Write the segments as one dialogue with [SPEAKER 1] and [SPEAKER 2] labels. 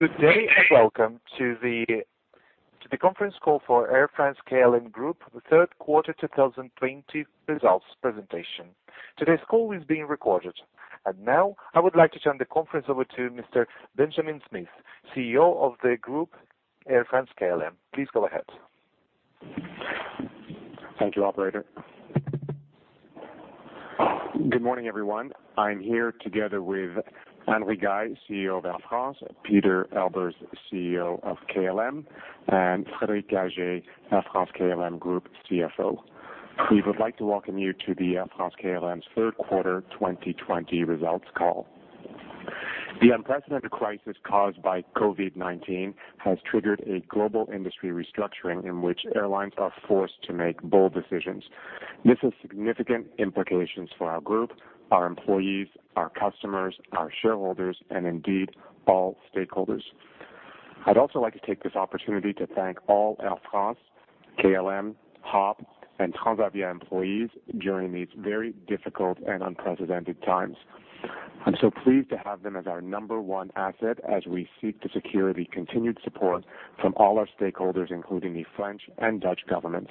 [SPEAKER 1] Good day and welcome to the conference call for Air France-KLM Group, the Q3 2020 results presentation. Today's call is being recorded. Now I would like to turn the conference over to Mr. Benjamin Smith, CEO of the Group, Air France-KLM. Please go ahead.
[SPEAKER 2] Thank you, operator. Good morning, everyone. I'm here together with Anne Rigail, CEO of Air France, Pieter Elbers, CEO of KLM, and Frédéric Gagey, Air France-KLM Group CFO. We would like to welcome you to the Air France-KLM's Q3 2020 results call. The unprecedented crisis caused by COVID-19 has triggered a global industry restructuring in which airlines are forced to make bold decisions. This has significant implications for our group, our employees, our customers, our shareholders, and indeed, all stakeholders. I'd also like to take this opportunity to thank all Air France, KLM, HOP!, and Transavia employees during these very difficult and unprecedented times. I'm so pleased to have them as our number one asset as we seek to secure the continued support from all our stakeholders, including the French and Dutch governments.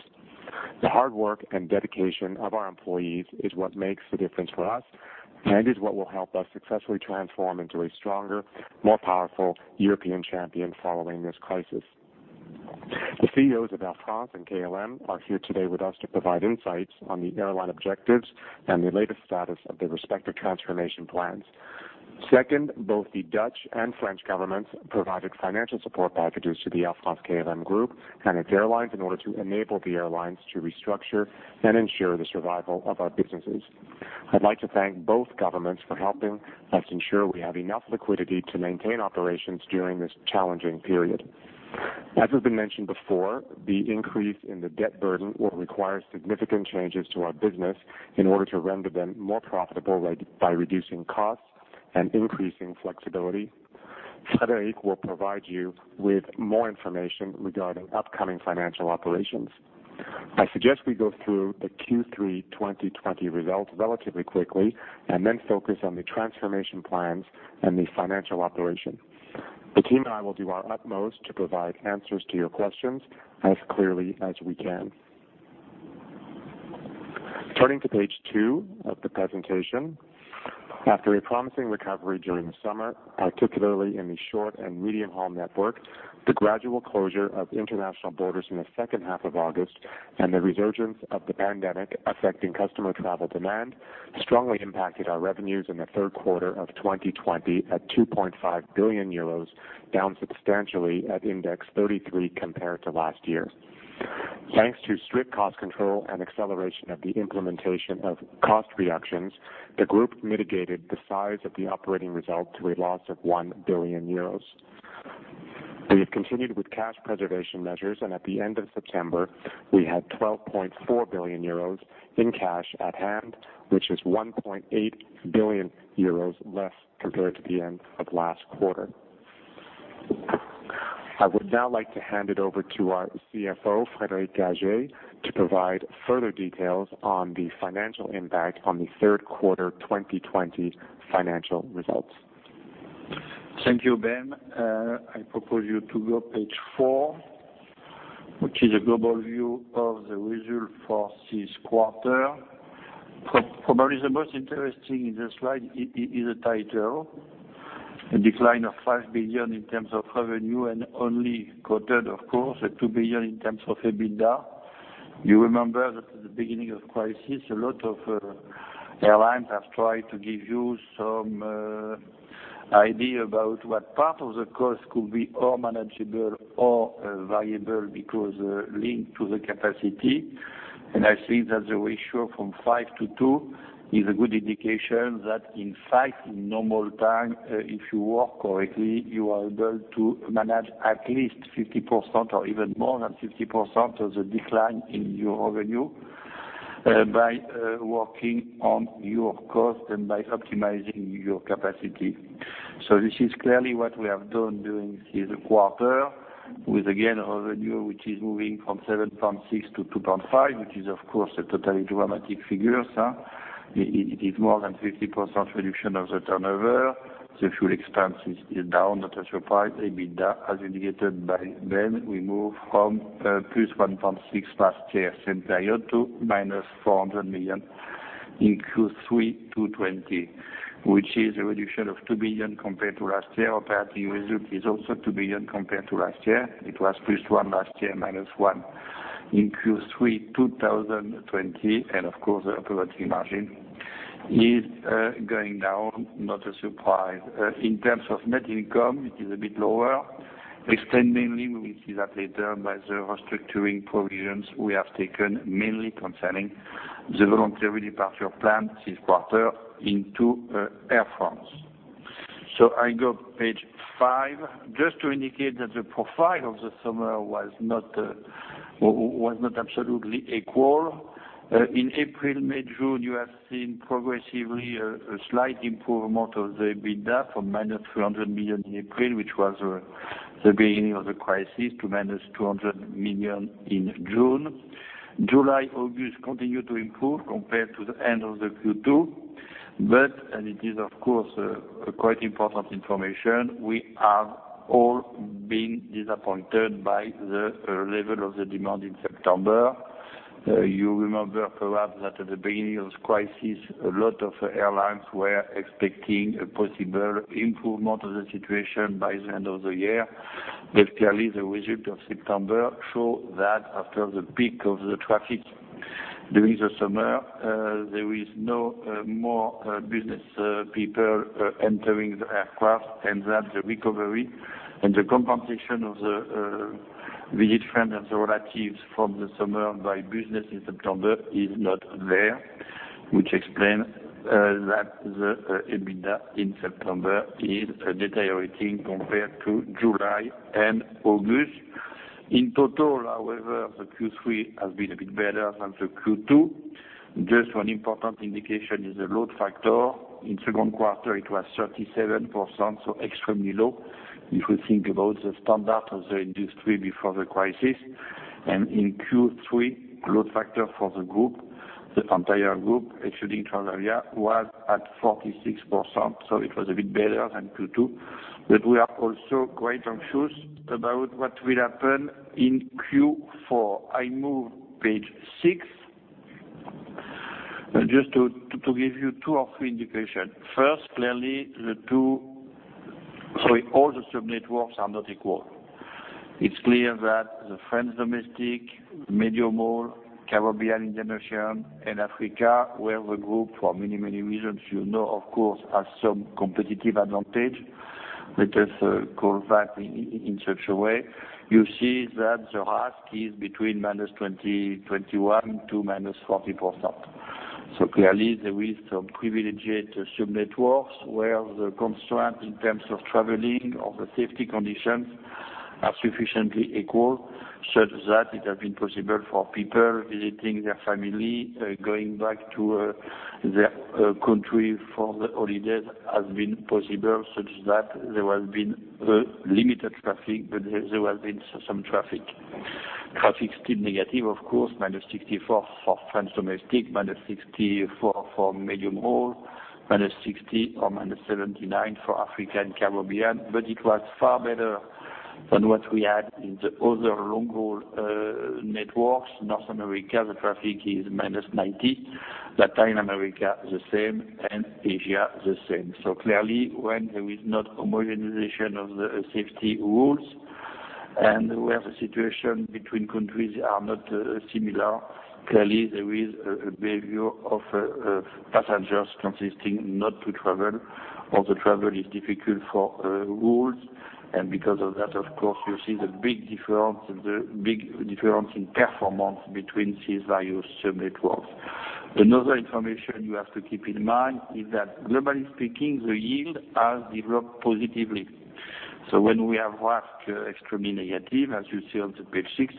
[SPEAKER 2] The hard work and dedication of our employees is what makes the difference for us and is what will help us successfully transform into a stronger, more powerful European champion following this crisis. The CEOs of Air France and KLM are here today with us to provide insights on the airline objectives and the latest status of their respective transformation plans. Second, both the Dutch and French governments provided financial support packages to the Air France-KLM Group and its airlines in order to enable the airlines to restructure and ensure the survival of our businesses. I'd like to thank both governments for helping us ensure we have enough liquidity to maintain operations during this challenging period. As has been mentioned before, the increase in the debt burden will require significant changes to our business in order to render them more profitable by reducing costs and increasing flexibility. Frédéric will provide you with more information regarding upcoming financial operations. I suggest we go through the Q3 2020 results relatively quickly, and then focus on the transformation plans and the financial operation. The team and I will do our utmost to provide answers to your questions as clearly as we can. Turning to page two of the presentation. After a promising recovery during the summer, particularly in the short and medium-haul network, the gradual closure of international borders in the second half of August and the resurgence of the pandemic affecting customer travel demand strongly impacted our revenues in the Q3 of 2020 at 2.5 billion euros, down substantially at index 33 compared to last. Thanks to strict cost control and acceleration of the implementation of cost reductions, the group mitigated the size of the operating result to a loss of 1 billion euros. We have continued with cash preservation measures, at the end of September, we had €12.4 billion in cash at hand, which is €1.8 billion less compared to the end of last quarter. I would now like to hand it over to our CFO, Frédéric Gagey, to provide further details on the financial impact on the Q3 2020 financial results.
[SPEAKER 3] Thank you, Ben. I propose you to go page four, which is a global view of the result for this quarter. Probably the most interesting in the slide is the title, a decline of 5 billion in terms of revenue and only quoted, of course, a 2 billion in terms of EBITDA. You remember that at the beginning of crisis, a lot of airlines have tried to give you some idea about what part of the cost could be all manageable or variable because linked to the capacity. I think that the ratio from 5 to 2 is a good indication that in fact, in normal time, if you work correctly, you are able to manage at least 50% or even more than 50% of the decline in your revenue by working on your cost and by optimizing your capacity. This is clearly what we have done during this quarter with, again, revenue, which is moving from 7.6 billion to 2.5 billion, which is, of course, a totally dramatic figure. It is more than 50% reduction of the turnover. The fuel expense is down, not a surprise. EBITDA, as indicated by Ben, we move from +1.6 billion last year same period to -400 million in Q3 2020, which is a reduction of 2 billion compared to last year. Operating result is also 2 billion compared to last year. It was +1 billion last year, -1 billion in Q3 2020, and of course, the operating margin is going down, not a surprise. In terms of net income, it is a bit lower. Explained mainly, we will see that later, by the restructuring provisions we have taken, mainly concerning the voluntary departure plan this quarter into Air France. I go page five just to indicate that the profile of the summer was not absolutely equal. In April, May, June, you have seen progressively a slight improvement of the EBITDA from minus 300 million in April, which was the beginning of the crisis, to minus 200 million in June. July, August continue to improve compared to the end of the Q2. And it is of course, a quite important information, we have all been disappointed by the level of the demand in September. You remember perhaps that at the beginning of crisis, a lot of airlines were expecting a possible improvement of the situation by the end of the year. Clearly, the result of September show that after the peak of the traffic during the summer, there is no more business people entering the aircraft, and that the recovery and the compensation of the visit friend and the relatives from the summer by business in September is not there. Which explain that the EBITDA in September is deteriorating compared to July and August. In total, however, the Q3 has been a bit better than the Q2. Just one important indication is the load factor. In Q2 it was 37%, so extremely low, if we think about the standard of the industry before the crisis. In Q3, load factor for the group, the entire group, excluding Transavia, was at 46%. It was a bit better than Q2, but we are also quite anxious about what will happen in Q4. I move page six. Just to give you two or three indication. First, clearly, all the sub-networks are not equal. It is clear that the France domestic, Mediterranean, Caribbean, Indian Ocean, and Africa, where the group, for many, many reasons you know, of course, has some competitive advantage. Let us call that in such a way. You see that the RASK is between -20, 21 to -40%. Clearly, there is some privileged sub-networks where the constraint in terms of traveling or the safety conditions are sufficiently equal, such that it has been possible for people visiting their family, going back to their country for the holidays has been possible, such that there has been limited traffic, but there has been some traffic. Traffic still negative, of course, -64 for France domestic, -64 for Mediterranean, -60 or -79 for Africa and Caribbean. It was far better than what we had in the other long-haul networks. North America, the traffic is -90%. Latin America, the same, and Asia, the same. Clearly, when there is not homogenization of the safety rules, and where the situation between countries are not similar, clearly there is a behavior of passengers consisting not to travel, or the travel is difficult for rules. Because of that, of course, you see the big difference in performance between these various sub-networks. Another information you have to keep in mind is that globally speaking, the yield has developed positively. When we have RASK extremely negative, as you see on the page six,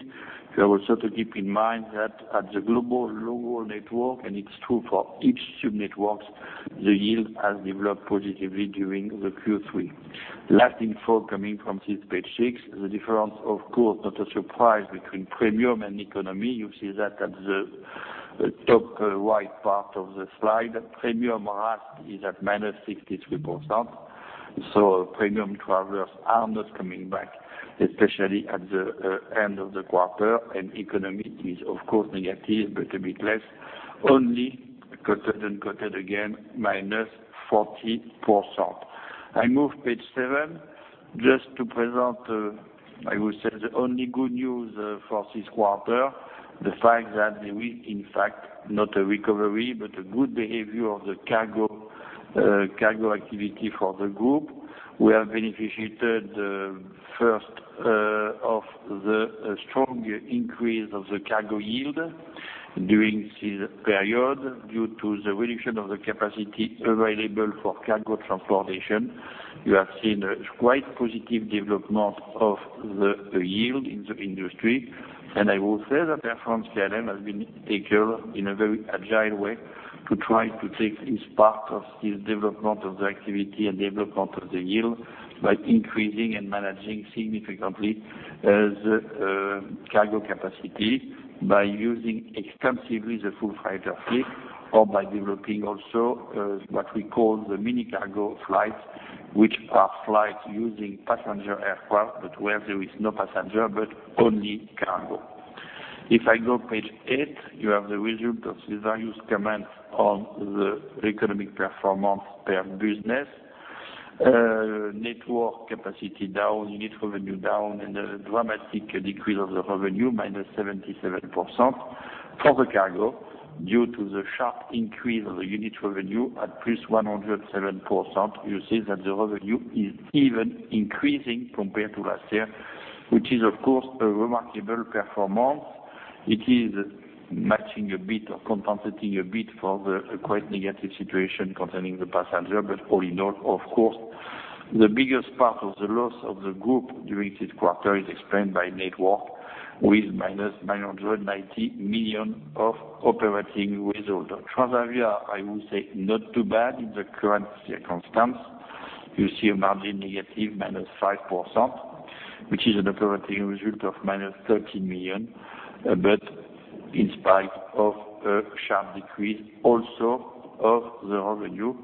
[SPEAKER 3] you have also to keep in mind that at the global long-haul network, and it's true for each sub-networks, the yield has developed positively during the Q3. Last info coming from this page six, the difference, of course, not a surprise between premium and economy. You see that at the top right part of the slide. Premium RASK is at -63%. Premium travelers are not coming back, especially at the end of the quarter. Economy is, of course, negative, but a bit less, only, quoted unquoted again, -14%. I move page seven just to present, I would say, the only good news for this quarter, the fact that there is, in fact, not a recovery, but a good behavior of the cargo activity for the group. We have benefited first of the strong increase of the cargo yield during this period due to the reduction of the capacity available for cargo transportation. You have seen a quite positive development of the yield in the industry. I will say that Air France-KLM has been able, in a very agile way, to try to take its part of this development of the activity and development of the yield by increasing and managing significantly the cargo capacity, by using extensively the full freighter fleet, or by developing also what we call the mini cargo flights, which are flights using passenger aircraft, but where there is no passenger, but only cargo. If I go page eight, you have the result of these various comments on the economic performance per business. Network capacity down, unit revenue down. A dramatic decrease of the revenue, -77%. For the cargo, due to the sharp increase of the unit revenue at +107%, you see that the revenue is even increasing compared to last year, which is, of course, a remarkable performance. It is matching a bit or compensating a bit for the quite negative situation concerning the passenger. All in all, of course, the biggest part of the loss of the group during this quarter is explained by network with -990 million of operating result. Transavia, I would say, not too bad in the current circumstance. You see a margin -5%, which is an operating result of -13 million, in spite of a sharp decrease also of the revenue.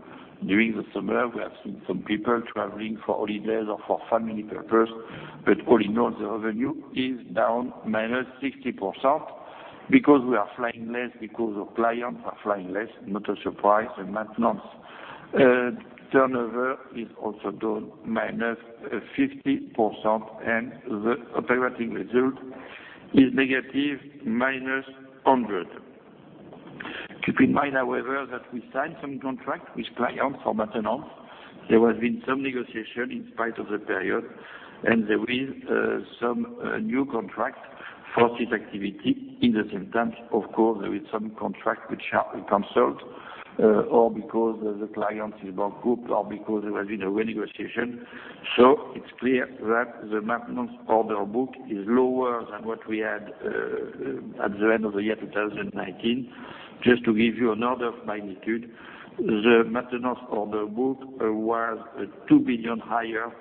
[SPEAKER 3] During the summer, we have seen some people traveling for holidays or for family purpose, all in all, the revenue is down -60%, because we are flying less, because our clients are flying less, not a surprise. Maintenance turnover is also down -50%, the operating result is -100 million. Keep in mind, however, that we signed some contract with clients for maintenance. There has been some negotiation in spite of the period, and there is some new contract for this activity. In the same time, of course, there is some contract which have been canceled, or because the client is bankrupt, or because there has been a renegotiation. It's clear that the maintenance order book is lower than what we had at the end of the year 2019. Just to give you an order of magnitude, the maintenance order book was 2 billion higher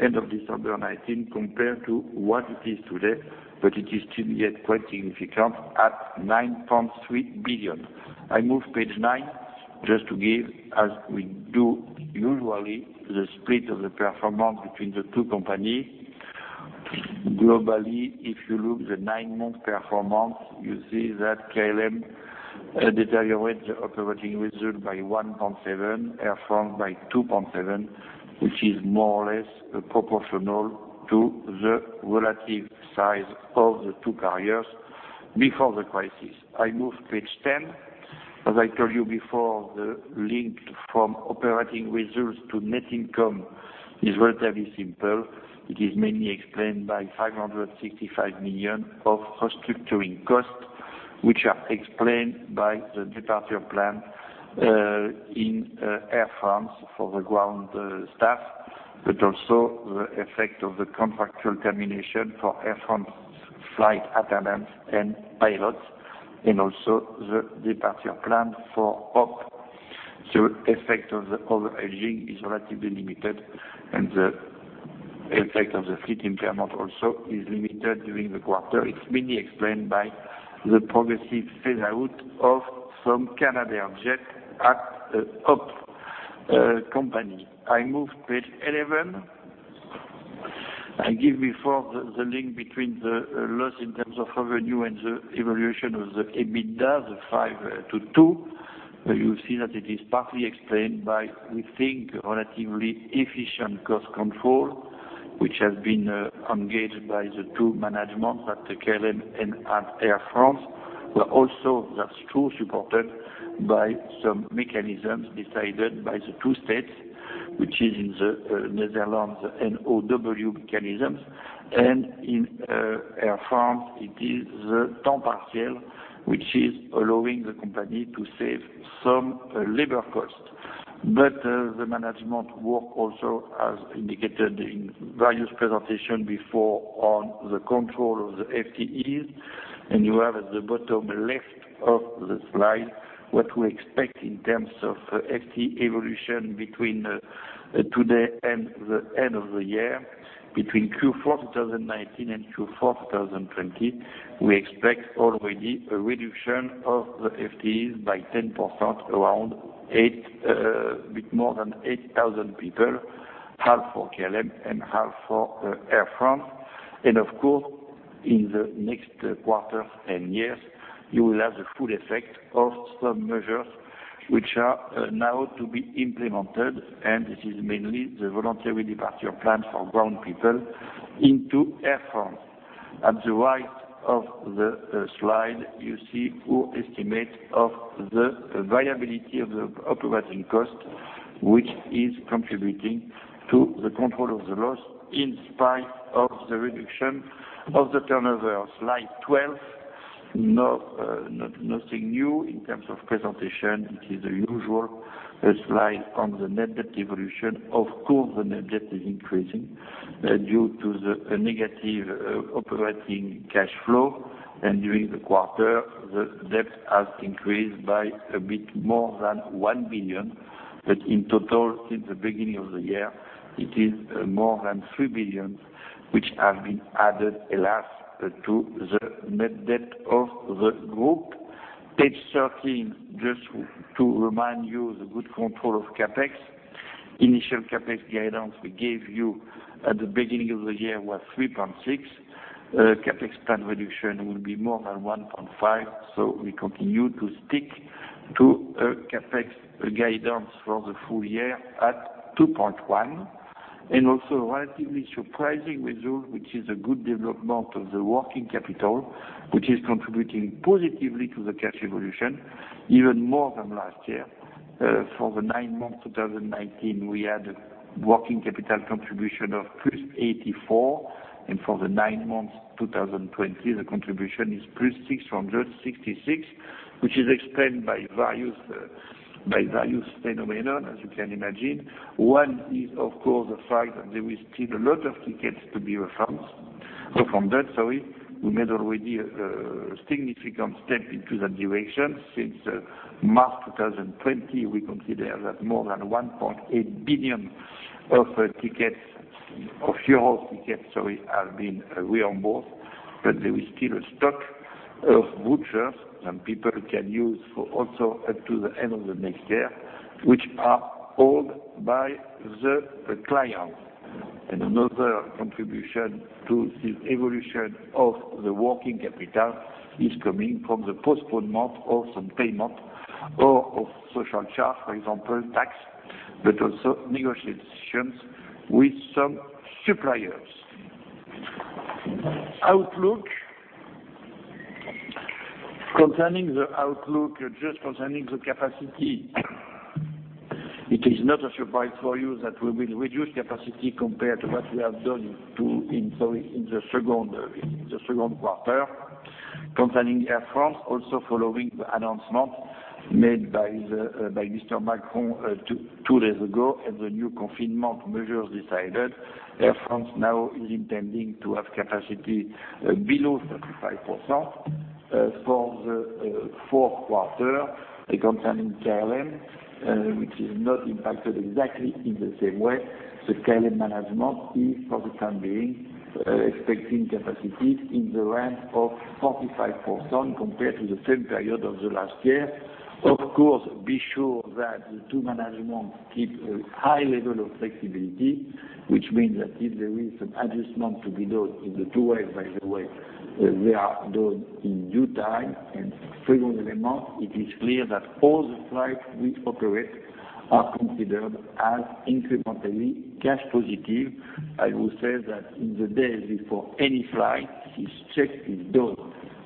[SPEAKER 3] end of December 2019 compared to what it is today, but it is still yet quite significant at 9.3 billion. I move page nine, just to give, as we do usually, the split of the performance between the two companies. Globally, if you look the nine-month performance, you see that KLM deteriorate the operating result by 1.7, Air France by 2.7, which is more or less proportional to the relative size of the two carriers before the crisis. I move page 10. As I told you before, the link from operating results to net income is relatively simple. It is mainly explained by 565 million of restructuring costs, which are explained by the departure plan, in Air France for the ground staff, but also the effect of the contractual termination for Air France flight attendants and pilots, and also the departure plan for HOP!. The effect of the over-hedging is relatively limited, and the effect of the fleet impairment also is limited during the quarter. It's mainly explained by the progressive phase out of some Canadair jets at HOP! company. I move page 11. I give before the link between the loss in terms of revenue and the evolution of the EBITDA, the five to two. You see that it is partly explained by, we think, relatively efficient cost control, which has been engaged by the two management at KLM and at Air France. Also that's also supported by some mechanisms decided by the two states, which is in the Netherlands, the NOW mechanisms, and in Air France, it is the temps partiel, which is allowing the company to save some labor cost. The management work also, as indicated in various presentation before on the control of the FTEs, and you have at the bottom left of the slide, what we expect in terms of FTE evolution between today and the end of the year. Between Q4 2019 and Q4 2020, we expect already a reduction of the FTEs by 10%, a bit more than 8,000 people, half for KLM and half for Air France. Of course, in the next quarter and years, you will have the full effect of some measures which are now to be implemented, and this is mainly the voluntary departure plan for ground people into Air France. At the right of the slide, you see our estimate of the viability of the operating cost, which is contributing to the control of the loss in spite of the reduction of the turnover. Slide 12. Nothing new in terms of presentation. It is the usual slide on the net debt evolution. Of course, the net debt is increasing due to the negative operating cash flow. During the quarter, the debt has increased by a bit more than 1 billion. In total, since the beginning of the year, it is more than 3 billion, which have been added, alas, to the net debt of the group. Page 13, just to remind you the good control of CapEx. Initial CapEx guidance we gave you at the beginning of the year was 3.6. CapEx spend reduction will be more than 1.5, so we continue to stick to a CapEx guidance for the full year at 2.1. Also a relatively surprising result, which is a good development of the working capital, which is contributing positively to the cash evolution, even more than last year. For the nine months 2019, we had working capital contribution of +84, and for the nine months 2020, the contribution is +666, which is explained by various phenomenon, as you can imagine. One is, of course, the fact that there is still a lot of tickets to be refunded. From that, sorry, we made already a significant step into that direction. Since March 2020, we consider that more than 1.8 billion tickets, sorry, have been reimbursed. There is still a stock of vouchers and people can use for also up to the end of the next year, which are owned by the client. Another contribution to this evolution of the working capital is coming from the postponement of some payment or of social charge, for example, tax, but also negotiations with some suppliers. Concerning the outlook, just concerning the capacity, it is not a surprise for you that we will reduce capacity compared to what we have done in the Q2. Concerning Air France, also following the announcement made by Mr. Macron two days ago, and the new confinement measures decided, Air France now is intending to have capacity below 35% for the Q4. Concerning KLM, which is not impacted exactly in the same way. The KLM management is, for the time being, expecting capacity in the range of 45% compared to the same period of the last year. Of course, be sure that the two management keep a high level of flexibility, which means that if there is an adjustment to be done in the two ways, by the way, they are done in due time. Second element, it is clear that all the flights we operate are considered as incrementally cash positive. I will say that in the days before any flight, this check is done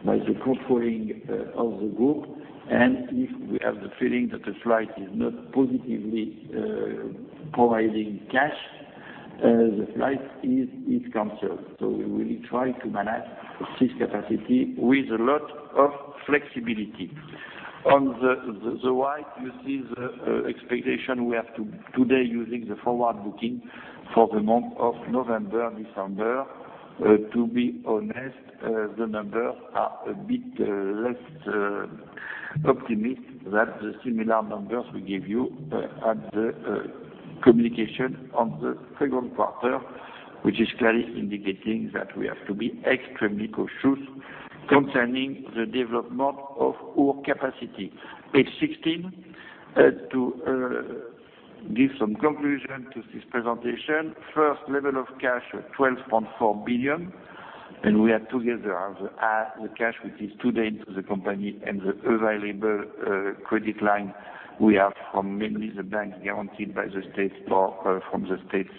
[SPEAKER 3] by the controlling of the group. If we have the feeling that a flight is not positively providing cash, the flight is cancelled. We will try to manage this capacity with a lot of flexibility. On the right, you see the expectation we have today using the forward booking for the month of November, December. To be honest, the numbers are a bit less optimistic than the similar numbers we gave you at the communication on the Q2, which is clearly indicating that we have to be extremely cautious concerning the development of our capacity. Page 16, to give some conclusion to this presentation. First, level of cash, 12.4 billion, and we have together the cash, which is today into the company and the available credit line we have from mainly the bank guaranteed by the state or from the states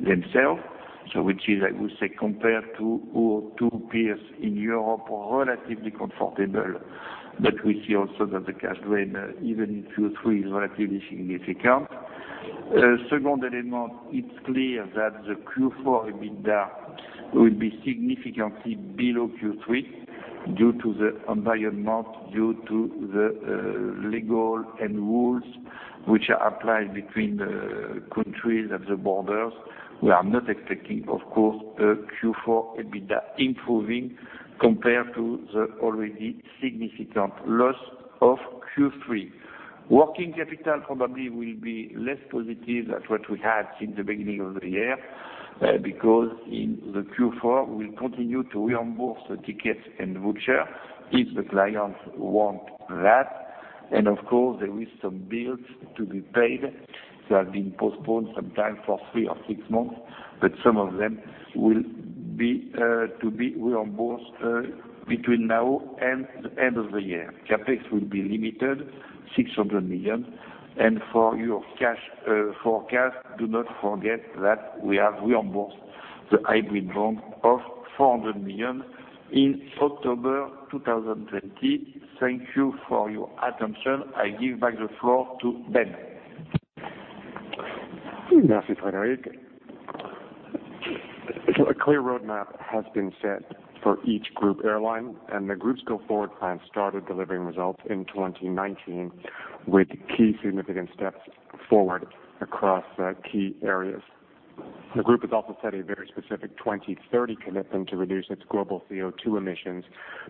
[SPEAKER 3] themselves. Which is, I would say, compared to our two peers in Europe, relatively comfortable. We see also that the cash drain, even in Q3, is relatively significant. Second element, it's clear that the Q4 EBITDA will be significantly below Q3 due to the environment, due to the legal and rules which are applied between the countries at the borders. We are not expecting, of course, a Q4 EBITDA improving compared to the already significant loss of Q3. Working capital probably will be less positive than what we had since the beginning of the year, because in the Q4, we'll continue to reimburse the tickets and voucher if the clients want that. Of course, there is some bills to be paid that have been postponed sometime for three or six months, but some of them will be reimbursed between now and the end of the year. CapEx will be limited, 600 million. For your cash forecast, do not forget that we have reimbursed the hybrid bond of 400 million in October 2020. Thank you for your attention. I give back the floor to Ben.
[SPEAKER 2] Merci, Frédéric. A clear roadmap has been set for each group airline, the group's go forward plan started delivering results in 2019 with key significant steps forward across key areas. The group has also set a very specific 2030 commitment to reduce its global CO₂ emissions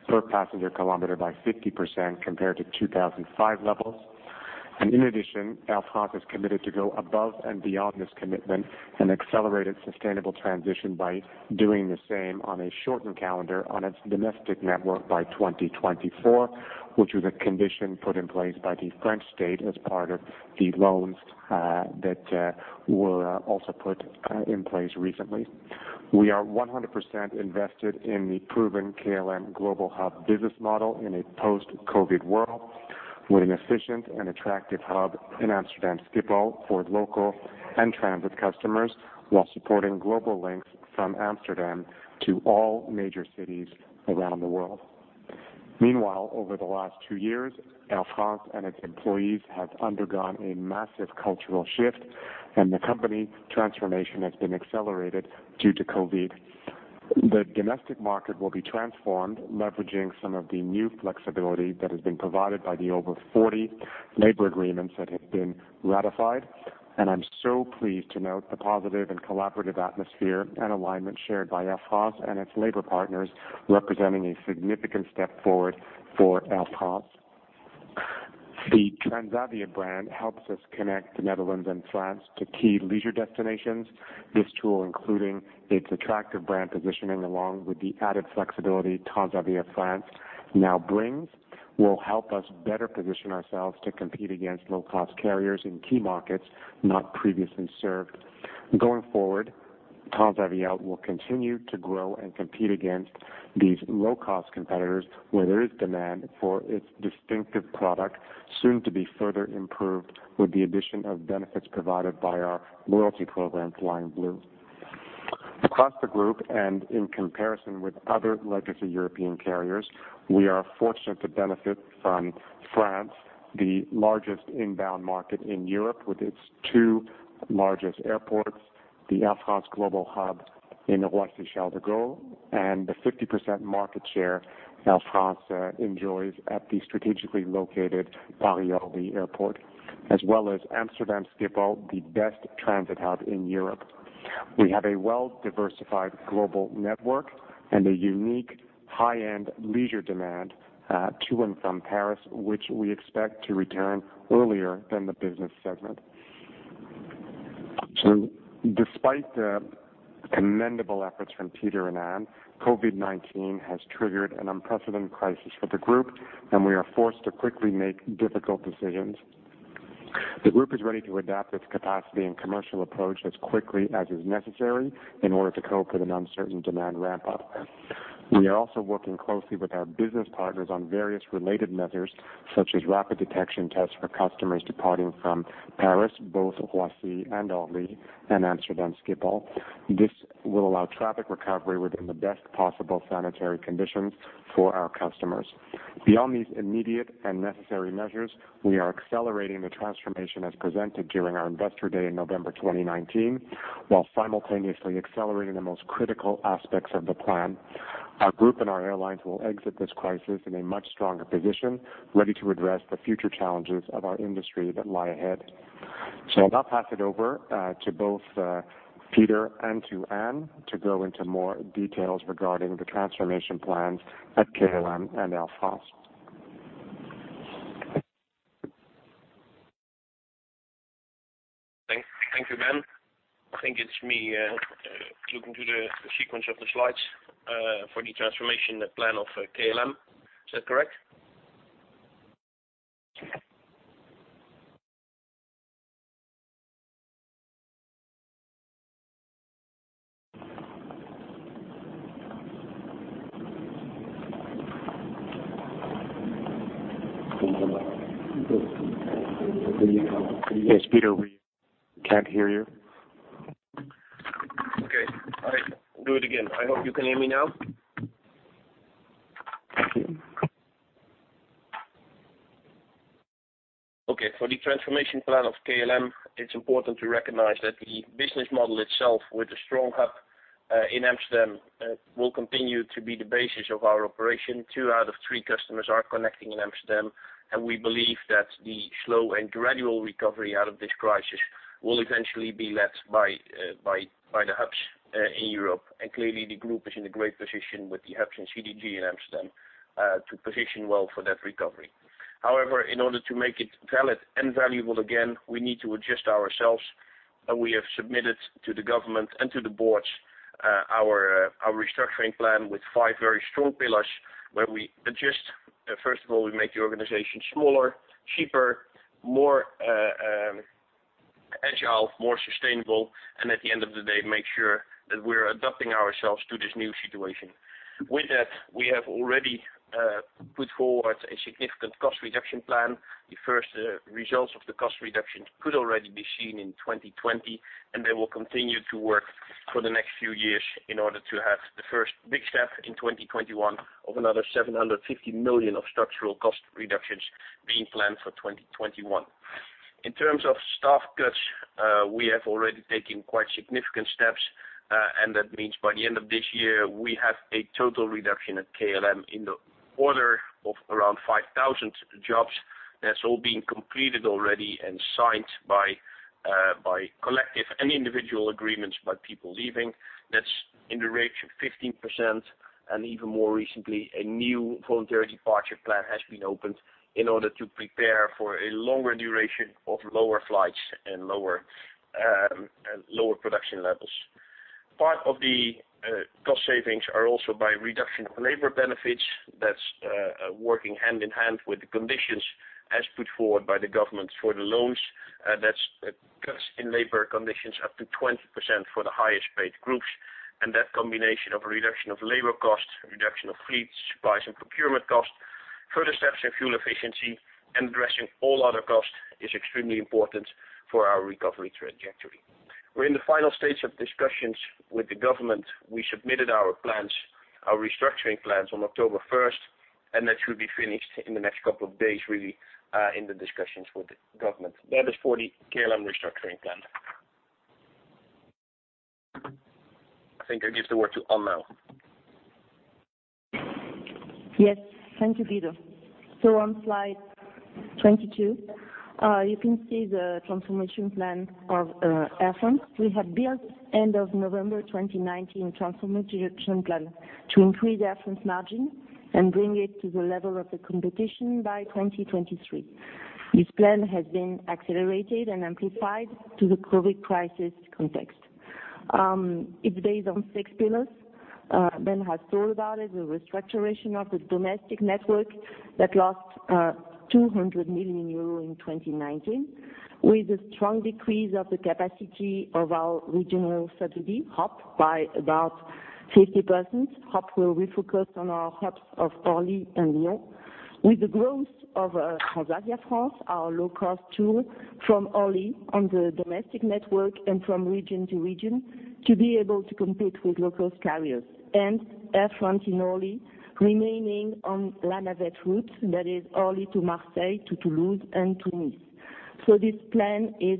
[SPEAKER 2] per passenger kilometer by 50% compared to 2005 levels. In addition, Air France has committed to go above and beyond this commitment, an accelerated sustainable transition by doing the same on a shortened calendar on its domestic network by 2024, which is a condition put in place by the French state as part of the loans that were also put in place recently. We are 100% invested in the proven KLM global hub business model in a post-COVID world, with an efficient and attractive hub in Amsterdam Schiphol for local and transit customers, while supporting global links from Amsterdam to all major cities around the world. Meanwhile, over the last two years, Air France and its employees have undergone a massive cultural shift, and the company transformation has been accelerated due to COVID. The domestic market will be transformed, leveraging some of the new flexibility that has been provided by the over 40 labor agreements that have been ratified. I'm so pleased to note the positive and collaborative atmosphere and alignment shared by Air France and its labor partners, representing a significant step forward for Air France. The Transavia brand helps us connect the Netherlands and France to key leisure destinations. This tool, including its attractive brand positioning, along with the added flexibility Transavia France now brings, will help us better position ourselves to compete against low-cost carriers in key markets not previously served. Going forward, Transavia will continue to grow and compete against these low-cost competitors where there is demand for its distinctive product, soon to be further improved with the addition of benefits provided by our loyalty program, Flying Blue. Across the group, and in comparison with other legacy European carriers, we are fortunate to benefit from France, the largest inbound market in Europe with its two largest airports, the Air France global hub in Roissy Charles de Gaulle, and the 50% market share Air France enjoys at the strategically located Paris-Orly Airport, as well as Amsterdam Schiphol, the best transit hub in Europe. We have a well-diversified global network and a unique high-end leisure demand to and from Paris, which we expect to return earlier than the business segment. Despite the commendable efforts from Pieter and Anne, COVID-19 has triggered an unprecedented crisis for the group, and we are forced to quickly make difficult decisions. The group is ready to adapt its capacity and commercial approach as quickly as is necessary in order to cope with an uncertain demand ramp-up. We are also working closely with our business partners on various related measures, such as rapid detection tests for customers departing from Paris, both Roissy and Orly, and Amsterdam Schiphol. This will allow traffic recovery within the best possible sanitary conditions for our customers. Beyond these immediate and necessary measures, we are accelerating the transformation as presented during our investor day in November 2019, while simultaneously accelerating the most critical aspects of the plan. Our group and our airlines will exit this crisis in a much stronger position, ready to address the future challenges of our industry that lie ahead. I'll now pass it over to both Pieter and to Anne to go into more details regarding the transformation plans at KLM and Air France.
[SPEAKER 4] Thank you, Ben. I think it's me looking through the sequence of the slides for the transformation plan of KLM. Is that correct?
[SPEAKER 2] Yes, Pieter, we can't hear you.
[SPEAKER 4] Okay. All right. Do it again. I hope you can hear me now. For the transformation plan of KLM, it's important to recognize that the business model itself, with a strong hub in Amsterdam, will continue to be the basis of our operation. Two out of three customers are connecting in Amsterdam, and we believe that the slow and gradual recovery out of this crisis will eventually be led by the hubs in Europe. Clearly, the group is in a great position with the hubs in CDG and Amsterdam to position well for that recovery. However, in order to make it valid and valuable again, we need to adjust ourselves, and we have submitted to the government and to the boards our restructuring plan with five very strong pillars where we adjust. First of all, we make the organization smaller, cheaper, more agile, more sustainable, and at the end of the day, make sure that we're adapting ourselves to this new situation. With that, we have already put forward a significant cost reduction plan. The first results of the cost reduction could already be seen in 2020. They will continue to work for the next few years in order to have the first big step in 2021 of another 750 million of structural cost reductions being planned for 2021. In terms of staff cuts, we have already taken quite significant steps, and that means by the end of this year, we have a total reduction at KLM in the order of around 5,000 jobs. That's all been completed already and signed by collective and individual agreements by people leaving. That's in the range of 15%, and even more recently, a new voluntary departure plan has been opened in order to prepare for a longer duration of lower flights and lower production levels. Part of the cost savings are also by reduction of labor benefits. That's working hand-in-hand with the conditions as put forward by the government for the loans. That's cuts in labor conditions up to 20% for the highest-paid groups. That combination of reduction of labor costs, reduction of fleets, supplies, and procurement costs, further steps in fuel efficiency, and addressing all other costs is extremely important for our recovery trajectory. We're in the final stage of discussions with the government. We submitted our restructuring plans on October 1st, and that should be finished in the next couple of days, really, in the discussions with the government. That is for the KLM restructuring plan. I think I give the word to Anne now.
[SPEAKER 5] Yes. Thank you, Pieter. On slide 22, you can see the transformation plan of Air France. We have built, end of November 2019, transformation plan to increase Air France margin and bring it to the level of the competition by 2023. This plan has been accelerated and amplified to the COVID crisis context. It's based on six pillars. Ben has told about it, the restructuration of the domestic network that lost 200 million euro in 2019, with a strong decrease of the capacity of our regional subsidiary, HOP!, by about 50%. HOP! will refocus on our hubs of Orly and Lyon. With the growth of Transavia France, our low cost tool, from Orly on the domestic network and from region to region, to be able to compete with low-cost carriers. Air France in Orly, remaining on La Navette route, that is Orly to Marseille, to Toulouse, and to Nice. This plan is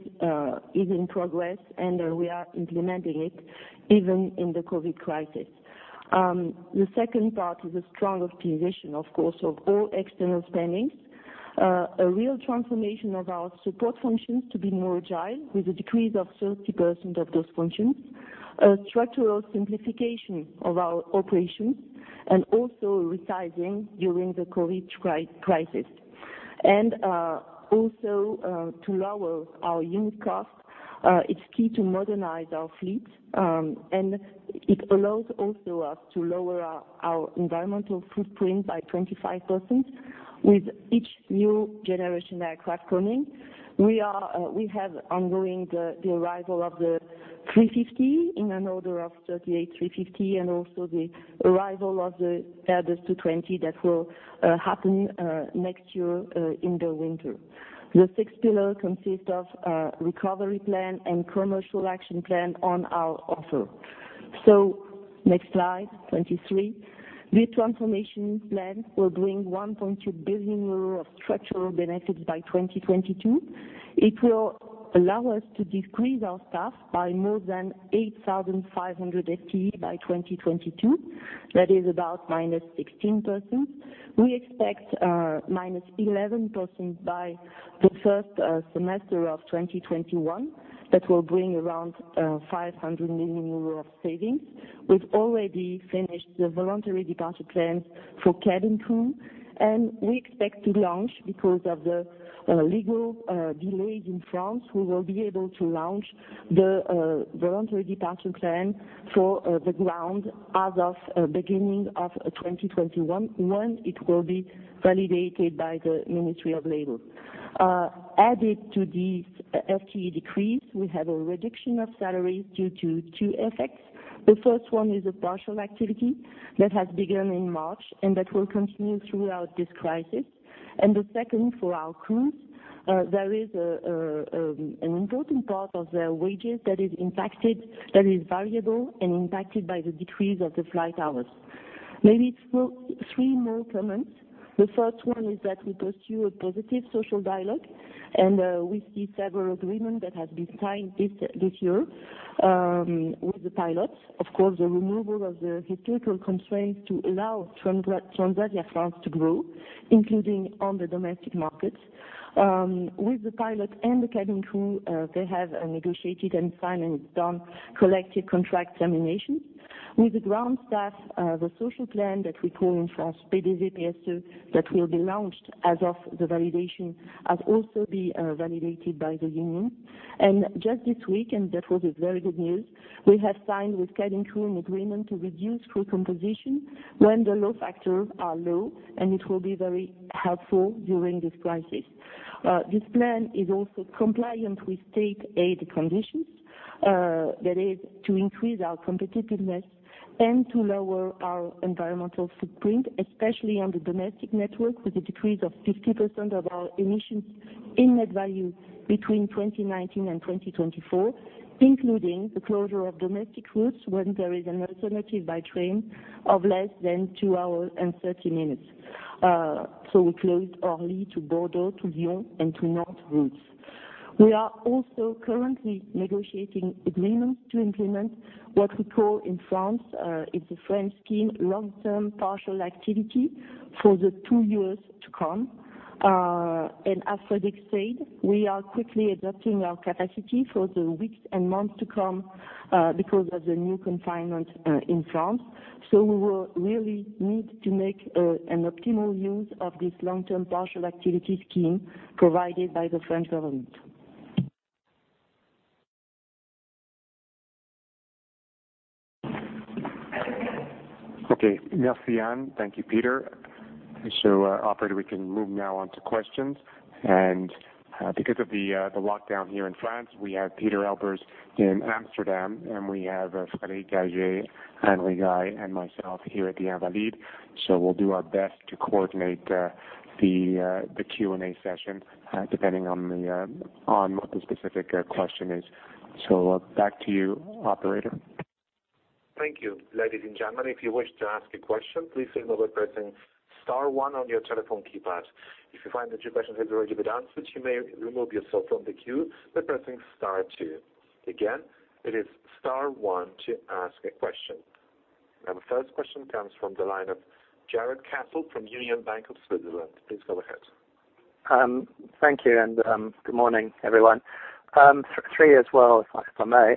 [SPEAKER 5] in progress. We are implementing it even in the COVID crisis. The second part is a strong optimization, of course, of all external spendings. A real transformation of our support functions to be more agile, with a decrease of 30% of those functions. A structural simplification of our operations and also resizing during the COVID crisis. Also, to lower our unit cost, it's key to modernize our fleet, and it allows also us to lower our environmental footprint by 25% with each new generation aircraft coming. We have ongoing the arrival of the A350 in an order of 38 A350 and also the arrival of the Airbus A220 that will happen next year in the winter. The sixth pillar consists of a recovery plan and commercial action plan on our offer. Next slide 23. This transformation plan will bring 1.2 billion euro of structural benefits by 2022. It will allow us to decrease our staff by more than 8,500 FTE by 2022. That is about minus 16%. We expect minus 11% by the first semester of 2021. That will bring around 500 million euro of savings. We've already finished the voluntary departure plans for cabin crew, and we expect to launch, because of the legal delays in France, we will be able to launch the voluntary departure plan for the ground as of beginning of 2021. It will be validated by the Ministry of Labor. Added to these FTE decrease, we have a reduction of salaries due to two effects. The first one is a Activité partielle that has begun in March, and that will continue throughout this crisis. The second, for our crews, there is an important part of their wages that is variable and impacted by the decrease of the flight hours. Maybe three more comments. The first one is that we pursue a positive social dialogue, and we see several agreement that has been signed this year, with the pilots. Of course, the removal of the historical constraints to allow Transavia France to grow, including on the domestic markets. With the pilot and the cabin crew, they have a negotiated and signed and done collective contract termination. With the ground staff, the social plan that we call in France, PDV-PSE, that will be launched as of the validation, has also be validated by the union. Just this week, and that was a very good news, we have signed with cabin crew an agreement to reduce crew composition when the load factors are low, and it will be very helpful during this crisis. This plan is also compliant with state aid conditions. That is, to increase our competitiveness and to lower our environmental footprint, especially on the domestic network, with a decrease of 50% of our emissions in net value between 2019 and 2024, including the closure of domestic routes when there is an alternative by train of less than two hours and 30 minutes. We closed Orly to Bordeaux, to Lyon, and to Nantes routes. We are also currently negotiating agreements to implement what we call in France, it's a French scheme, long-term partial activity for the two years to come. As Frédéric said, we are quickly adapting our capacity for the weeks and months to come, because of the new confinement in France. We will really need to make an optimal use of this long-term Activité partielle scheme provided by the French government.
[SPEAKER 2] Okay. Merci Anne. Thank you, Pieter. Operator, we can move now on to questions. Because of the lockdown here in France, we have Pieter Elbers in Amsterdam, and we have Frédéric Gagey and myself here at the Invalides. We'll do our best to coordinate the Q&A session, depending on what the specific question is. Back to you, operator.
[SPEAKER 1] Thank you. Ladies and gentlemen, if you wish to ask a question, please do so by pressing star one on your telephone keypad. If you find that your question has already been answered, you may remove yourself from the queue by pressing star two. Again, it is star one to ask a question. Now the first question comes from the line of Jarrod Castle from Union Bank of Switzerland. Please go ahead.
[SPEAKER 6] Thank you, and good morning, everyone. Three as well, if I may.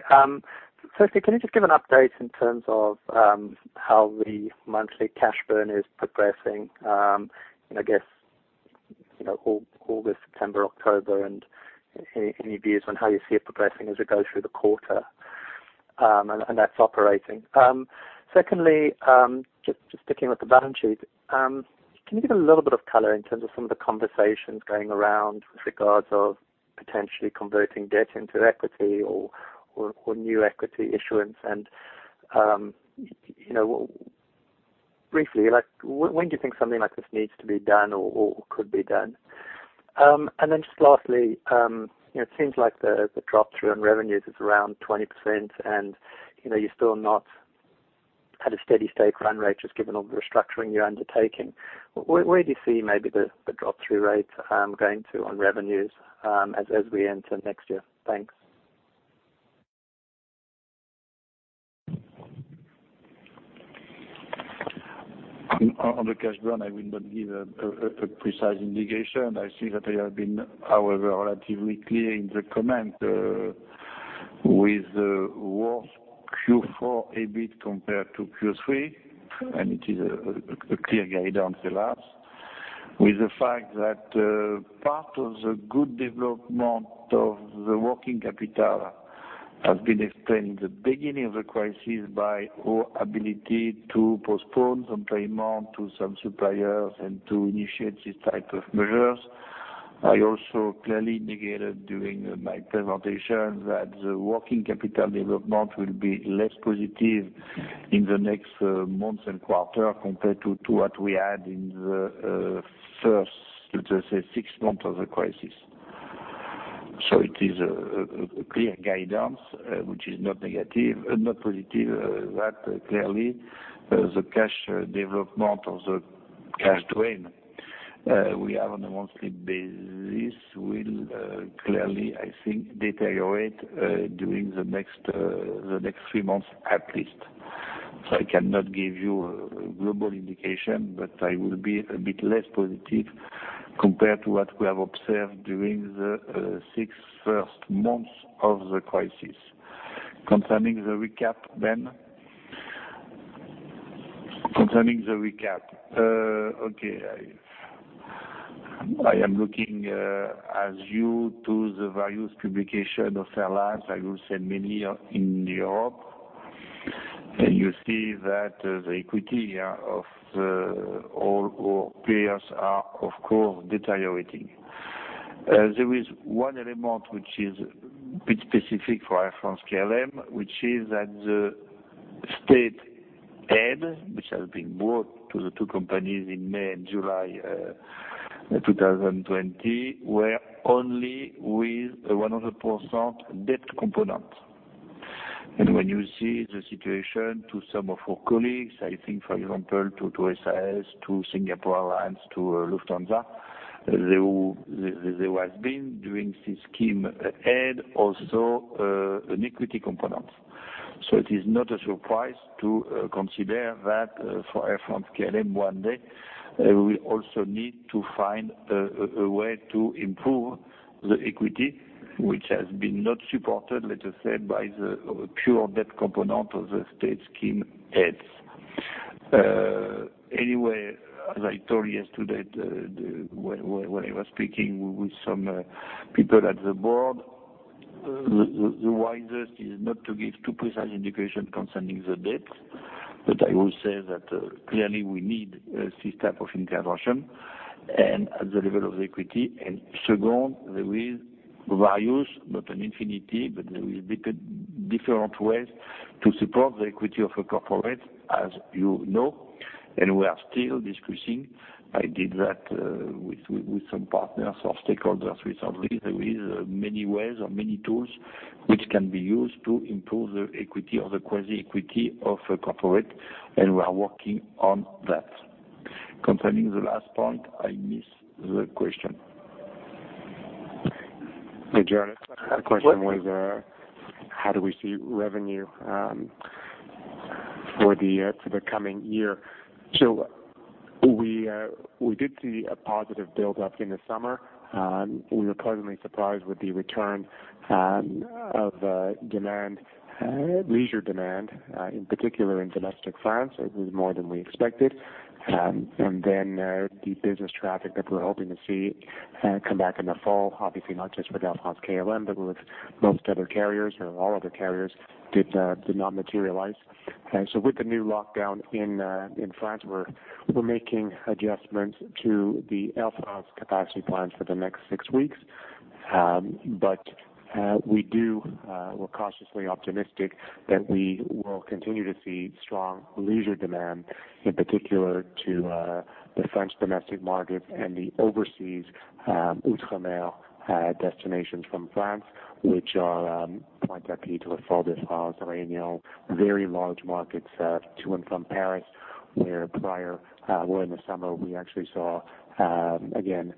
[SPEAKER 6] Firstly, can you just give an update in terms of how the monthly cash burn is progressing? I guess, August, September, October, and any views on how you see it progressing as we go through the quarter, and that's operating. Secondly, just sticking with the balance sheet. Can you give a little bit of color in terms of some of the conversations going around with regards of potentially converting debt into equity or new equity issuance and, briefly, when do you think something like this needs to be done or could be done? Then just lastly, it seems like the drop-through on revenues is around 20% and you're still not at a steady state run rate, just given all the restructuring you're undertaking. Where do you see maybe the drop-through rate going to on revenues, as we enter next year? Thanks.
[SPEAKER 3] On the cash burn, I will not give a precise indication. I see that I have been, however, relatively clear in the comment, with worse Q4 EBIT compared to Q3, and it is a clear guide on Air France. With the fact that part of the good development of the working capital has been explained in the beginning of the crisis by our ability to postpone some payment to some suppliers and to initiate this type of measures. I also clearly indicated during my presentation that the working capital development will be less positive in the next months and quarter compared to what we had in the first, let us say, six months of the crisis. It is a clear guidance, which is not positive, that clearly the cash development of the cash drain we have on a monthly basis will clearly, I think, deteriorate during the next 3 months at least. I cannot give you a global indication, but I will be a bit less positive compared to what we have observed during the 6 first months of the crisis. Concerning the recap, Ben. Concerning the recap. Okay. I am looking as you to the various publication of Air France. I will say many are in Europe. You see that the equity of all our peers are, of course, deteriorating. There is one element which is a bit specific for Air France-KLM, which is that the state aid, which has been brought to the two companies in May and July 2020, were only with 100% debt component. When you see the situation to some of our colleagues, I think, for example, to SAS, to Singapore Airlines, to Lufthansa, there has been, during this scheme, aid, also an equity component. It is not a surprise to consider that for Air France-KLM one day, we also need to find a way to improve the equity, which has been not supported, let us say, by the pure debt component of the state scheme aids. Anyway, as I told yesterday when I was speaking with some people at the board, the wisest is not to give too precise indication concerning the debt. I will say that clearly we need this type of intervention and at the level of the equity. Second, there is various, not an infinity, but there is different ways to support the equity of a corporate, as you know, and we are still discussing. I did that with some partners or stakeholders recently. There is many ways or many tools which can be used to improve the equity or the quasi equity of a corporate, and we are working on that. Concerning the last point, I miss the question.
[SPEAKER 2] Hey, Jarrod. The question was, how do we see revenue for the coming year? We did see a positive buildup in the summer. We were pleasantly surprised with the return of demand, leisure demand, in particular in domestic France. It was more than we expected. The business traffic that we're hoping to see come back in the fall, obviously not just with Air France-KLM, but with most other carriers or all other carriers, did not materialize. With the new lockdown in France, we're making adjustments to the Air France capacity plans for the next six weeks. We're cautiously optimistic that we will continue to see strong leisure demand, in particular to the French domestic market and the overseas, Outre-mer, destinations from France, which are Pointe-à-Pitre, Fort de France, Reunion, very large markets to and from Paris, where in the summer, we actually saw, again,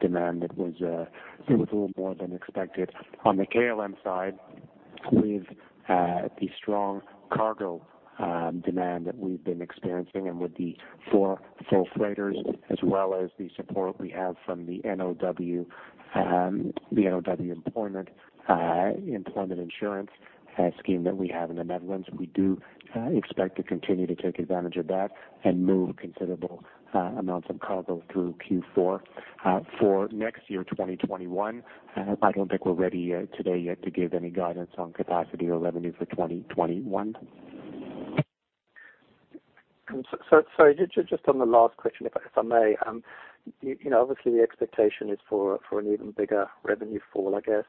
[SPEAKER 2] demand that was a little more than expected. On the KLM side, with the strong cargo demand that we've been experiencing and with the four freighters, as well as the support we have from the NOW employment insurance scheme that we have in the Netherlands, we do expect to continue to take advantage of that and move considerable amounts of cargo through Q4. For next year, 2021, I don't think we're ready today yet to give any guidance on capacity or revenue for 2021.
[SPEAKER 6] Just on the last question, if I may. Obviously, the expectation is for an even bigger revenue fall, I guess,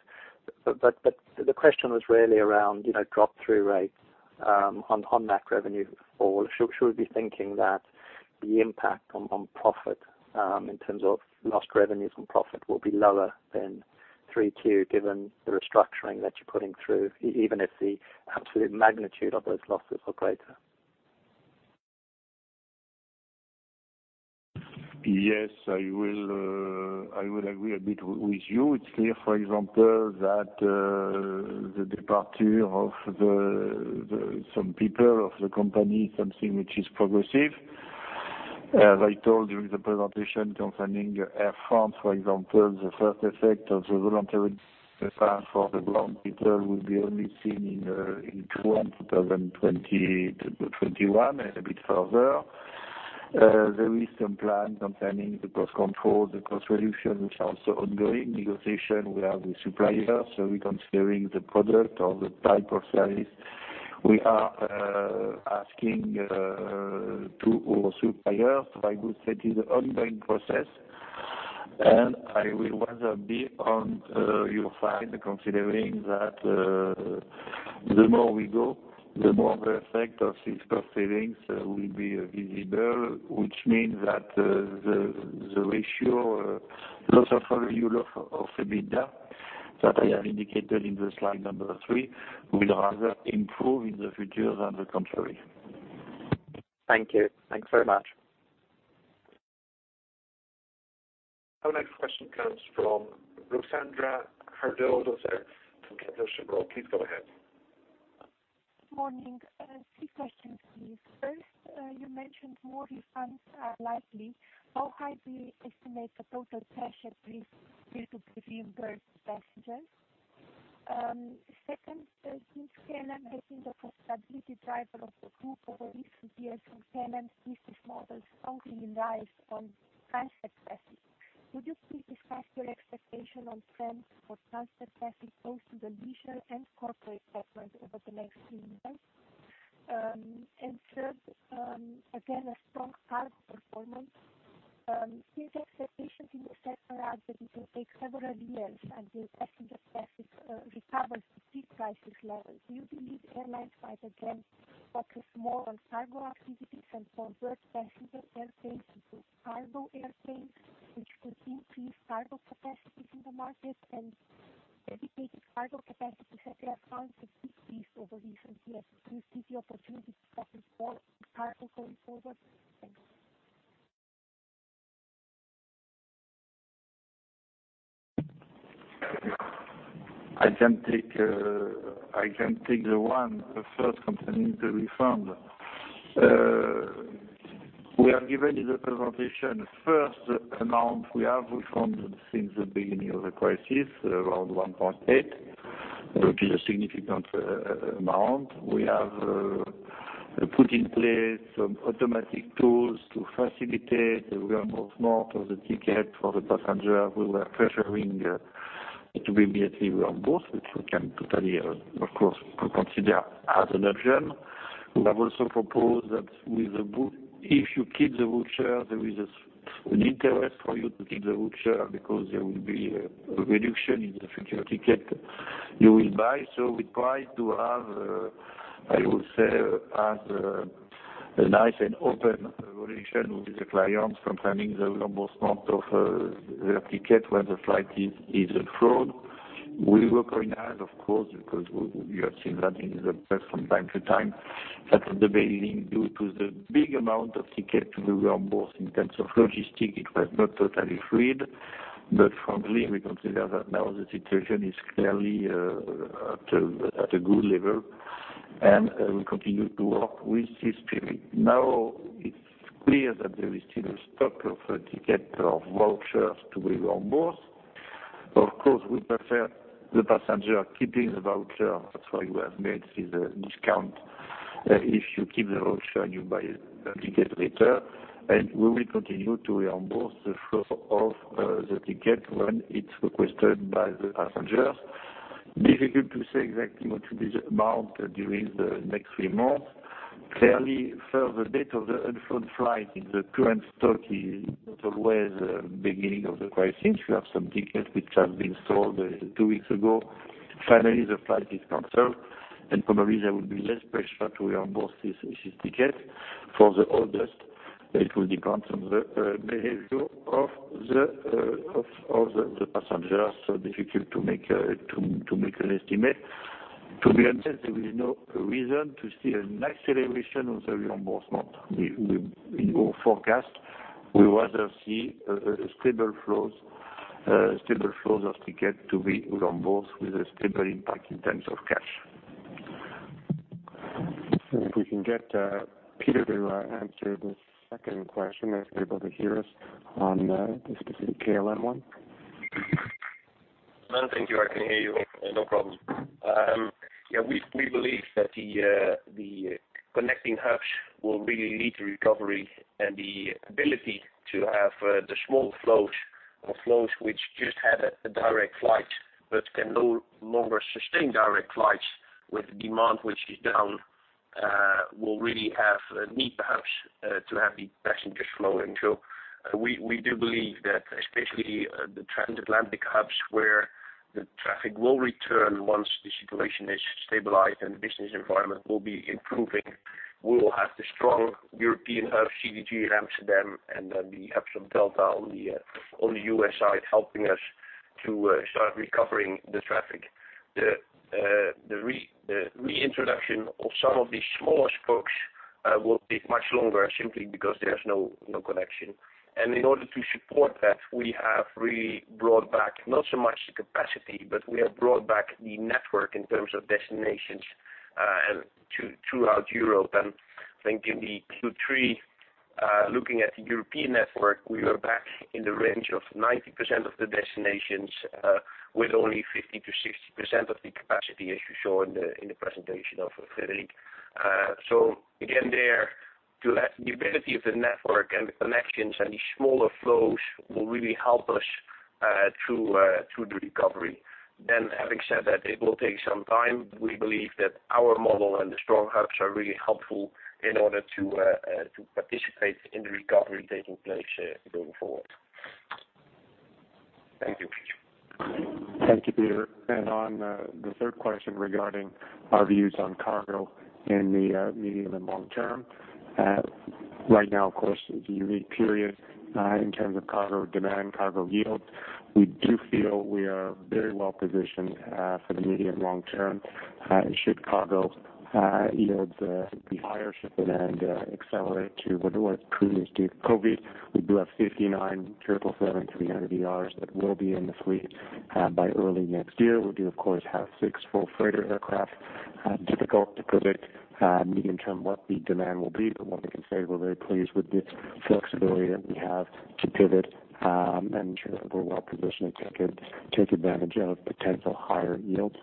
[SPEAKER 6] but the question was really around drop-through rates on that revenue fall. Should we be thinking that the impact on profit, in terms of lost revenues and profit, will be lower than Q3, given the restructuring that you're putting through, even if the absolute magnitude of those losses are greater?
[SPEAKER 3] Yes, I will agree a bit with you. It is clear, for example, that the departure of some people of the company, something which is progressive. As I told you in the presentation concerning Air France, for example, the first effect of the voluntary plan for the ground people will be only seen in Q1 2021 and a bit further. There is some plan concerning the cost control, the cost reduction, which are also ongoing negotiation. We are the supplier, so we considering the product or the type of service we are asking to our suppliers. I would say it is an ongoing process, and I will rather be on your side, considering that the more we go, the more the effect of these cost savings will be visible, which means that the ratio, loss of value of EBITDA, that I have indicated in the slide number three, will rather improve in the future than the contrary.
[SPEAKER 6] Thank you. Thanks very much.
[SPEAKER 1] Our next question comes from Rosandra Hardow, of Exane BNP Paribas. Please go ahead.
[SPEAKER 7] Morning. 3 questions, please. First, you mentioned more refunds are likely. How high do you estimate the total pressure please due to refund passengers? Second, since KLM has been the profitability driver of the group over recent years, and KLM business model strongly relies on transfer passengers. Could you please discuss your expectation on trends for transfer passengers, both in the leisure and corporate segment, over the next few months? Third, again, a strong cargo performance. There's expectations in the sector that it will take several years until passenger traffic recovers to pre-crisis levels. Do you believe airlines might again focus more on cargo activities and convert passenger airplanes into cargo airplanes, which could increase cargo capacities in the market? Dedicated cargo capacities at Air France have decreased over recent years. Do you see the opportunity to focus more on cargo going forward? Thanks.
[SPEAKER 3] I can take the first concerning the refund. We have given in the presentation, first amount we have refunded since the beginning of the crisis, around EUR 1.8 billion, which is a significant amount. We have put in place some automatic tools to facilitate the reimbursement of the ticket for the passenger. We were pressuring to immediately reimburse, which we can totally, of course, consider as an option. We have also proposed that if you keep the voucher, there is an interest for you to keep the voucher because there will be a reduction in the future ticket you will buy. We try to have, I would say, have a nice and open relation with the clients concerning the reimbursement of the ticket when the flight is deferred. We were going out, of course, because we have seen that in the press from time to time, that at the beginning, due to the big amount of ticket to reimburse in terms of logistics, it was not totally fluid. Frankly, we consider that now the situation is clearly at a good level, and we continue to work with this spirit. It's clear that there is still a stock of ticket, of vouchers to reimburse. Of course, we prefer the passenger keeping the voucher. That's why we have made this discount, if you keep the voucher and you buy the ticket later. We will continue to reimburse the flow of the ticket when it's requested by the passengers. Difficult to say exactly what will be the amount during the next three months. Clearly, for the date of the deferred flight, the current stock is not always the beginning of the crisis. We have some tickets which have been sold two weeks ago. Finally, the flight is canceled, and probably there will be less pressure to reimburse this ticket. For the others, it will depend on the behavior of the passengers, so difficult to make an estimate. To be honest, there is no reason to see an acceleration of the reimbursement. In our forecast, we rather see stable flows of ticket to be on board with a stable impact in terms of cash.
[SPEAKER 2] If we can get Pieter to answer the second question, if you're able to hear us on the specific KLM one.
[SPEAKER 4] Thank you. I can hear you. No problem. We believe that the connecting hubs will really lead to recovery, and the ability to have the small flows or flows which just had a direct flight but can no longer sustain direct flights with demand, which is down, will really need the hubs to have the passengers flowing. We do believe that especially the transatlantic hubs where the traffic will return once the situation is stabilized and the business environment will be improving. We will have the strong European hubs, CDG, Amsterdam, and then the hubs of Delta on the U.S. side, helping us to start recovering the traffic. The reintroduction of some of the smaller spokes will take much longer, simply because there's no connection. In order to support that, we have really brought back not so much the capacity, but we have brought back the network in terms of destinations throughout Europe. I think in the Q3, looking at the European network, we were back in the range of 90% of the destinations with only 50%-60% of the capacity, as you show in the presentation of Frédéric. Again, there, to have the ability of the network and the connections and the smaller flows will really help us through the recovery. Having said that, it will take some time. We believe that our model and the strong hubs are really helpful in order to participate in the recovery taking place going forward. Thank you.
[SPEAKER 2] Thank you, Pieter. On the third question regarding our views on cargo in the medium and long term. Right now, of course, it's a unique period in terms of cargo demand, cargo yield. We do feel we are very well positioned for the medium long term. Should cargo yields be higher, should demand accelerate to what it was previous to COVID. We do have 59 777-300ERs that will be in the fleet by early next year. We do of course have six full freighter aircraft. Difficult to predict medium term what the demand will be, but what we can say is we're very pleased with the flexibility that we have to pivot and ensure that we're well positioned to take advantage of potential higher yields.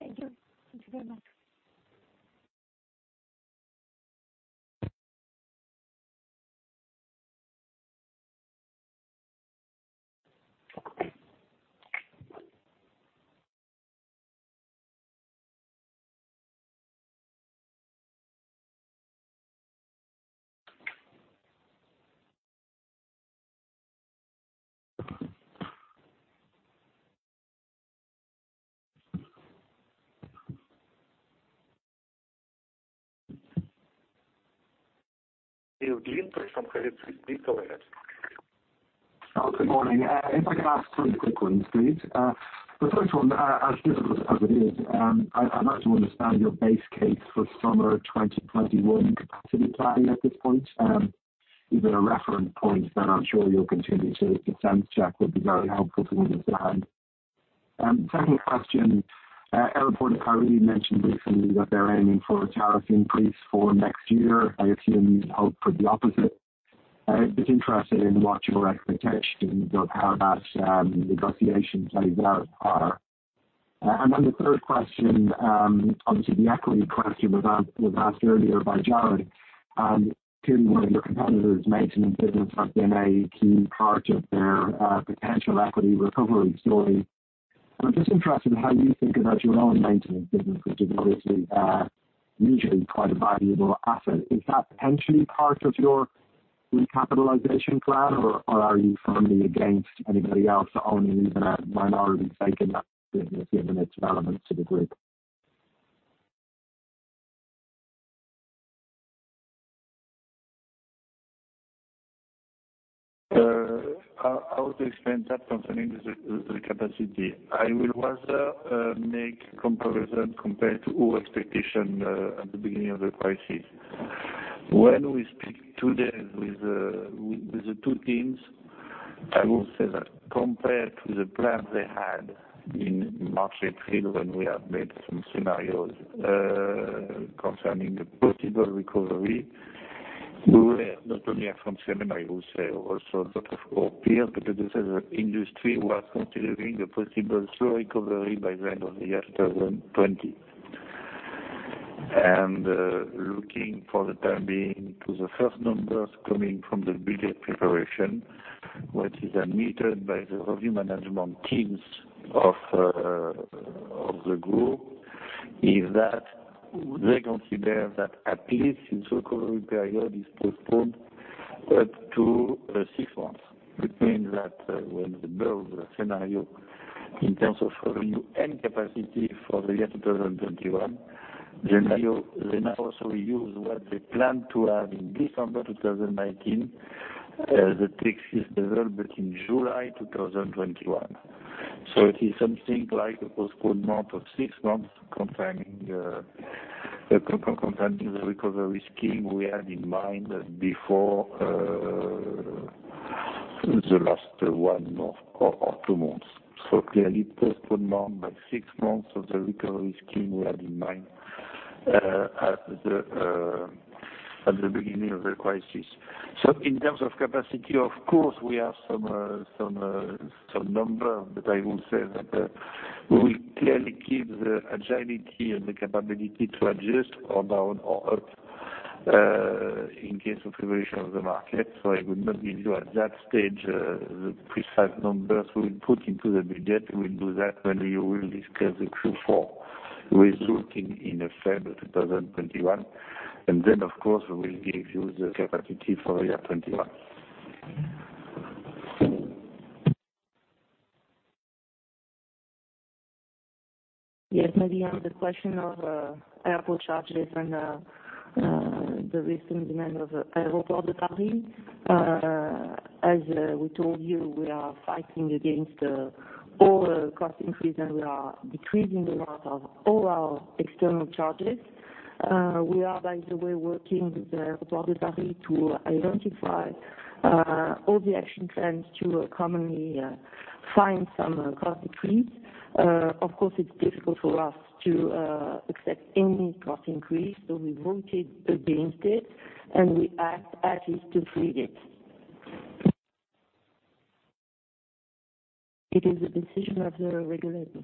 [SPEAKER 7] Thank you. Thank you very much.
[SPEAKER 8] Good morning. If I could ask three quick ones, please. The first one, as difficult as it is, I'd like to understand your base case for summer 2021 capacity planning at this point. Even a reference point that I'm sure you'll continue to sense-check would be very helpful to understand. Second question, Aéroports de Paris mentioned recently that they're aiming for a tariff increase for next year. I assume you'd hope for the opposite. I'd be interested in what your expectations of how that negotiation plays out are. Third question, obviously, the equity question was asked earlier by Jarrod. Two of your competitors' maintenance business have been a key part of their potential equity recovery story. I'm just interested in how you think about your own maintenance business, which is obviously usually quite a valuable asset. Is that potentially part of your recapitalization plan, or are you firmly against anybody else owning even a minority stake in that business, given its relevance to the group?
[SPEAKER 3] I would explain that concerning the capacity. I will rather make comparison compared to our expectation at the beginning of the crisis. When we speak today with the two teams, I will say that compared to the plan they had in March, April, when we have made some scenarios concerning the possible recovery, we were not only Air France-KLM, I will say also a lot of our peers, but this is an industry who are considering a possible slow recovery by the end of the year 2020. Looking for the time being to the first numbers coming from the budget preparation, what is admitted by the revenue management teams of the group is that they consider that at least this recovery period is postponed up to six months. Which means that when they build the scenario in terms of revenue and capacity for the year 2021, they now also use what they planned to have in December 2019, the traffic is developed in July 2021. It is something like a postponement of 6 months concerning the recovery scheme we had in mind before the last 1 or 2 months. Clearly, postponement by 6 months of the recovery scheme we had in mind at the beginning of the crisis. In terms of capacity, of course, we have some number, but I will say that we will clearly keep the agility and the capability to adjust or down or up in case of evolution of the market. I would not give you at that stage the precise numbers we will put into the budget. We'll do that when we will discuss the Q4 resulting in February 2021. Of course, we will give you the capacity for year 2021.
[SPEAKER 5] Yes. Maybe on the question of airport charges and the recent demand of Aéroports de Paris. As we told you, we are fighting against all cost increase, and we are decreasing a lot of all our external charges. We are, by the way, working with Aéroports de Paris to identify all the action plans to commonly find some cost increase. Of course, it's difficult for us to accept any cost increase, so we voted against it, and we asked ATIS to freeze it. It is the decision of the regulator.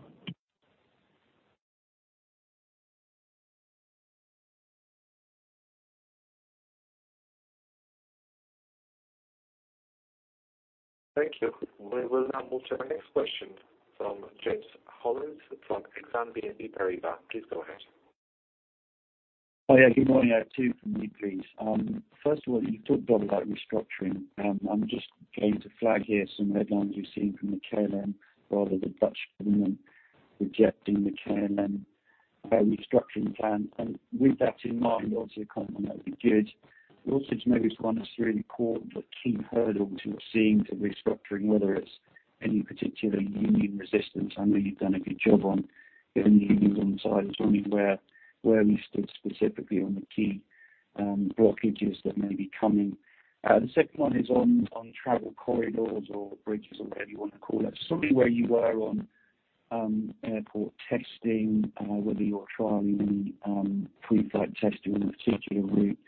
[SPEAKER 1] Thank you. We will now move to our next question from James Hollins from Exane BNP Paribas. Please go ahead.
[SPEAKER 9] Hi. Good morning. I have two from me, please. First of all, you talked a lot about restructuring. I am just going to flag here some headlines you have seen from the KLM, rather the Dutch government rejecting the KLM restructuring plan. With that in mind, obviously, a comment on that would be good. Also, just maybe one or three important key hurdles you are seeing to restructuring, whether it is any particular union resistance. I know you have done a good job on getting the unions on side. Just wondering where are we stood specifically on the key blockages that may be coming. The second one is on travel corridors or bridges or whatever you want to call it. Just wondering where you are on airport testing, whether you are trialing any pre-flight testing on a particular route,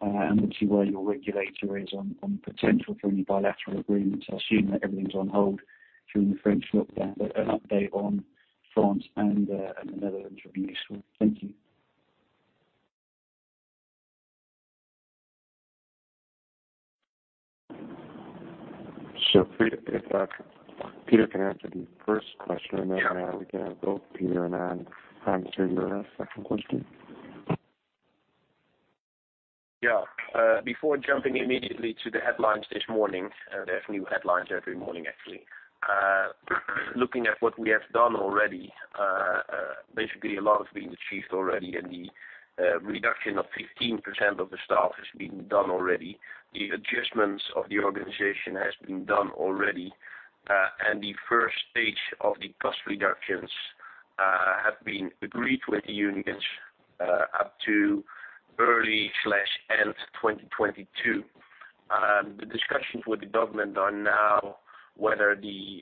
[SPEAKER 9] and obviously where your regulator is on potential for any bilateral agreements. I assume that everything's on hold during the French lockdown, but an update on France and the Netherlands would be useful. Thank you.
[SPEAKER 3] Sure. If Pieter can answer the first question, we can have both Pieter and Anne answer your second question.
[SPEAKER 4] Yeah. Before jumping immediately to the headlines this morning, there are new headlines every morning, actually. Looking at what we have done already, basically a lot has been achieved already, the reduction of 15% of the staff has been done already. The adjustments of the organization has been done already. The first stage of the cost reductions have been agreed with the unions up to early/end 2022. The discussions with the government are now whether the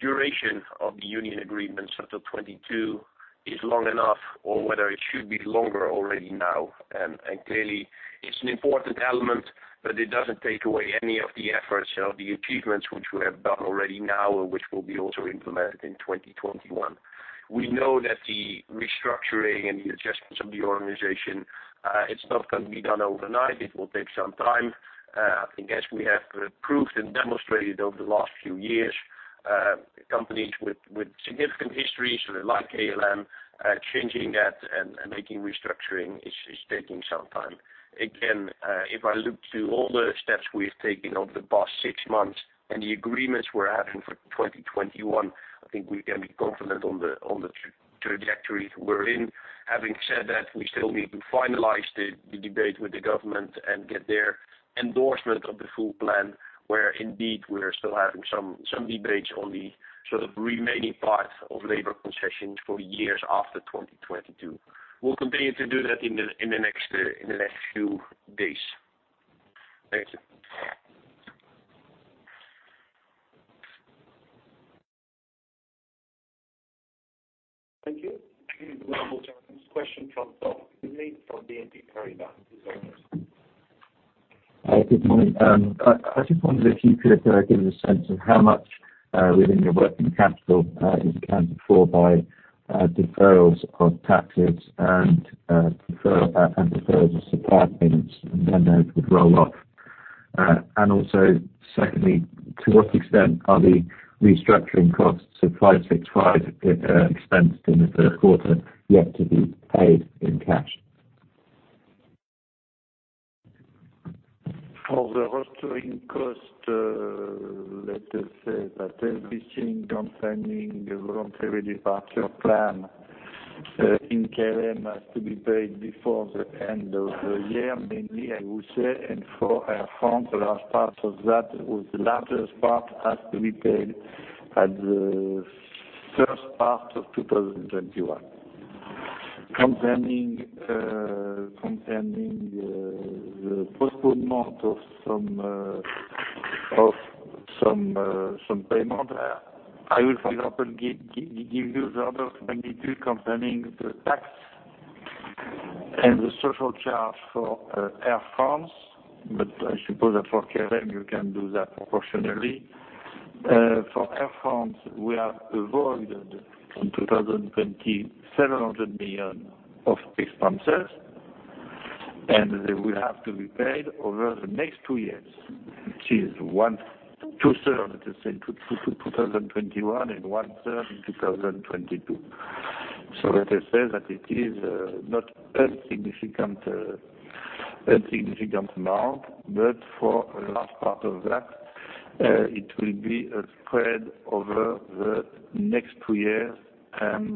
[SPEAKER 4] duration of the union agreements until 2022 is long enough or whether it should be longer already now. Clearly, it's an important element, but it doesn't take away any of the efforts or the achievements which we have done already now and which will be also implemented in 2021. We know that the restructuring and the adjustments of the organization, it's not going to be done overnight. It will take some time. I think as we have proved and demonstrated over the last few years, companies with significant histories, like KLM, changing that and making restructuring is taking some time. Again, if I look to all the steps we've taken over the past six months and the agreements we're having for 2021, I think we can be confident on the trajectory we're in. Having said that, we still need to finalize the debate with the government and get their endorsement of the full plan, where indeed, we are still having some debates on the sort of remaining part of labor concessions for years after 2022. We'll continue to do that in the next few days. Thank you.
[SPEAKER 1] Thank you. We will now move on to the next question from Tom Kingsley from BNP Paribas. Please go ahead.
[SPEAKER 10] Good morning. I just wondered if you could give us a sense of how much within your working capital is accounted for by deferrals of taxes and deferrals of supplier payments, and when those would roll off. Also, secondly, to what extent are the restructuring costs of 565 expensed in the Q3 yet to be paid in cash?
[SPEAKER 3] For the restructuring cost, let us say that everything concerning voluntary departure plan in KLM has to be paid before the end of the year, mainly, I would say. For Air France, the last part of that, with the largest part, has to be paid at the first part of 2021. Concerning the postponement of some payment, I will, for example, give you the order of magnitude concerning the tax and the social charge for Air France. I suppose that for KLM, you can do that proportionally. For Air France, we have avoided, in 2020, 700 million of expenses, and they will have to be paid over the next two years. Which is one-third, let us say, 2021 and one-third in 2022. Let us say that it is not a significant amount, but for a large part of that, it will be spread over the next two years. I'm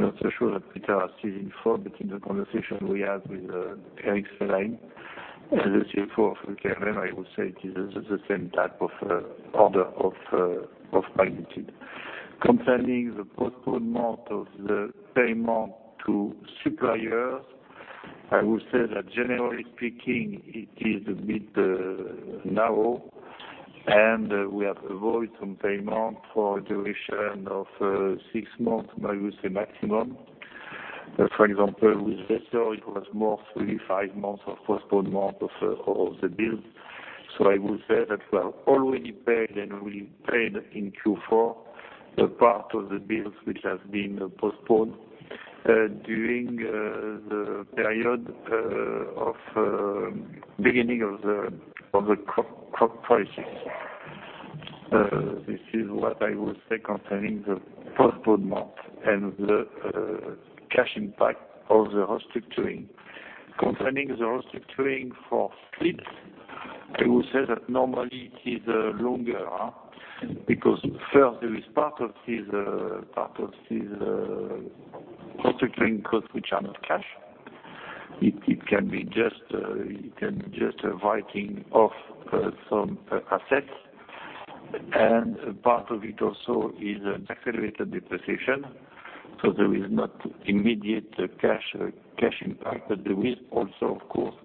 [SPEAKER 3] not so sure that Pieter has this info, but in the conversation we had with Erik Swelheim, the CFO for KLM, I would say it is the same type of order of magnitude. Concerning the postponement of the payment to suppliers, I would say that generally speaking, it is a bit narrow, and we have avoided some payment for a duration of six months, I would say maximum. For example, with vendors, it was more three, five months of postponement of the bills. I would say that we have already paid and will pay in Q4 the part of the bills which have been postponed during the period of beginning of the crisis. This is what I would say concerning the postponement and the cash impact of the restructuring. Concerning the restructuring for Split, I would say that normally it is longer. Because first, there is part of these restructuring costs which are not cash. It can be just a writing off some assets. Part of it also is accelerated depreciation. There is not immediate cash impact. There is also, of course,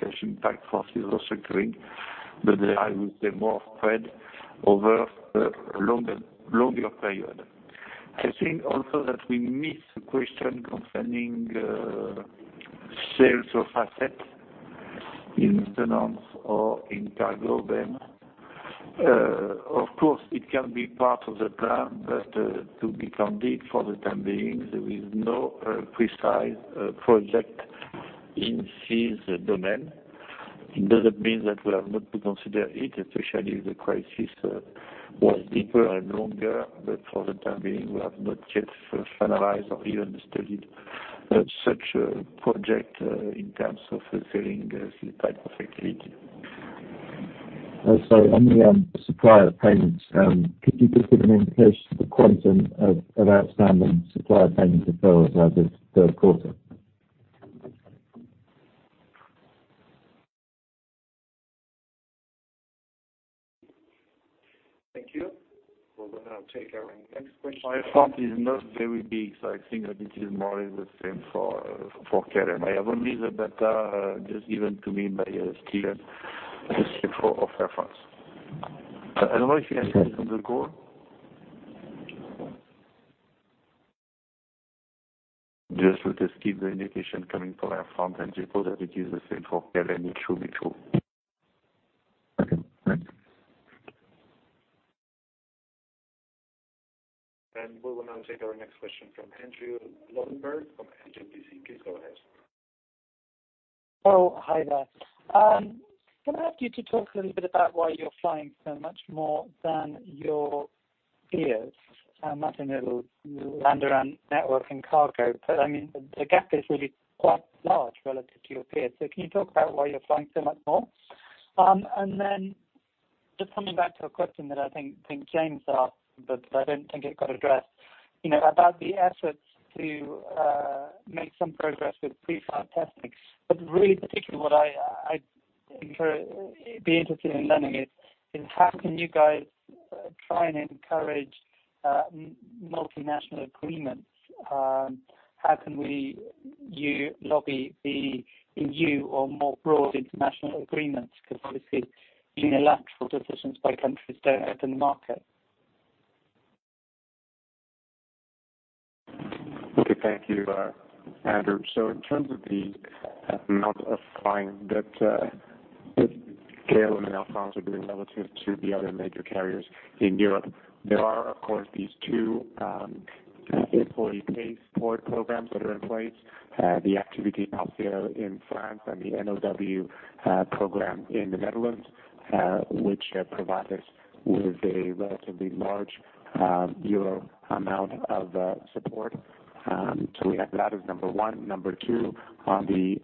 [SPEAKER 3] cash impact for this restructuring, but I would say more spread over a longer period. I think also that we missed the question concerning sales of assets in maintenance or in cargo then. Of course, it can be part of the plan, but to be candid, for the time being, there is no precise project in this domain. It doesn't mean that we are not to consider it, especially if the crisis was deeper and longer. For the time being, we have not yet finalized or even studied such a project in terms of selling this type of activity.
[SPEAKER 10] Sorry. On the supplier payments, could you just give an indication of the quantum of outstanding supplier payments deferred as at this Q3?
[SPEAKER 1] Thank you. We'll now take our next question.
[SPEAKER 3] Air France is not very big, so I think that it is more or less the same for KLM. I have only the data just given to me by Steven, the CFO of Air France. I don't know if you have this on the call. Just with this key indication coming from Air France, and suppose that it is the same for KLM, it should be true.
[SPEAKER 10] Okay, thanks.
[SPEAKER 1] We will now take our next question from Andrew Lobbenberg from HSBC. Please go ahead.
[SPEAKER 11] Oh, hi there. Can I ask you to talk a little bit about why you're flying so much more than your peers? I'm not talking about long-haul network and cargo, but the gap is really quite large relative to your peers. Can you talk about why you're flying so much more? Then just coming back to a question that I think James asked, but I don't think it got addressed. About the efforts to make some progress with preflight testing. Really particularly what I'd be interested in learning is, how can you guys try and encourage multinational agreements? How can you lobby the EU or more broad international agreements? Obviously, unilateral decisions by countries don't help the market.
[SPEAKER 2] Okay, thank you, Andrew Lobbenberg. In terms of the amount of flying that KLM and Air France are doing relative to the other major carriers in Europe, there are, of course, these two employee pay support programs that are in place. The Activité partielle in France and the NOW program in the Netherlands, which provide us with a relatively large EUR amount of support. We have that as number one. Number two, on the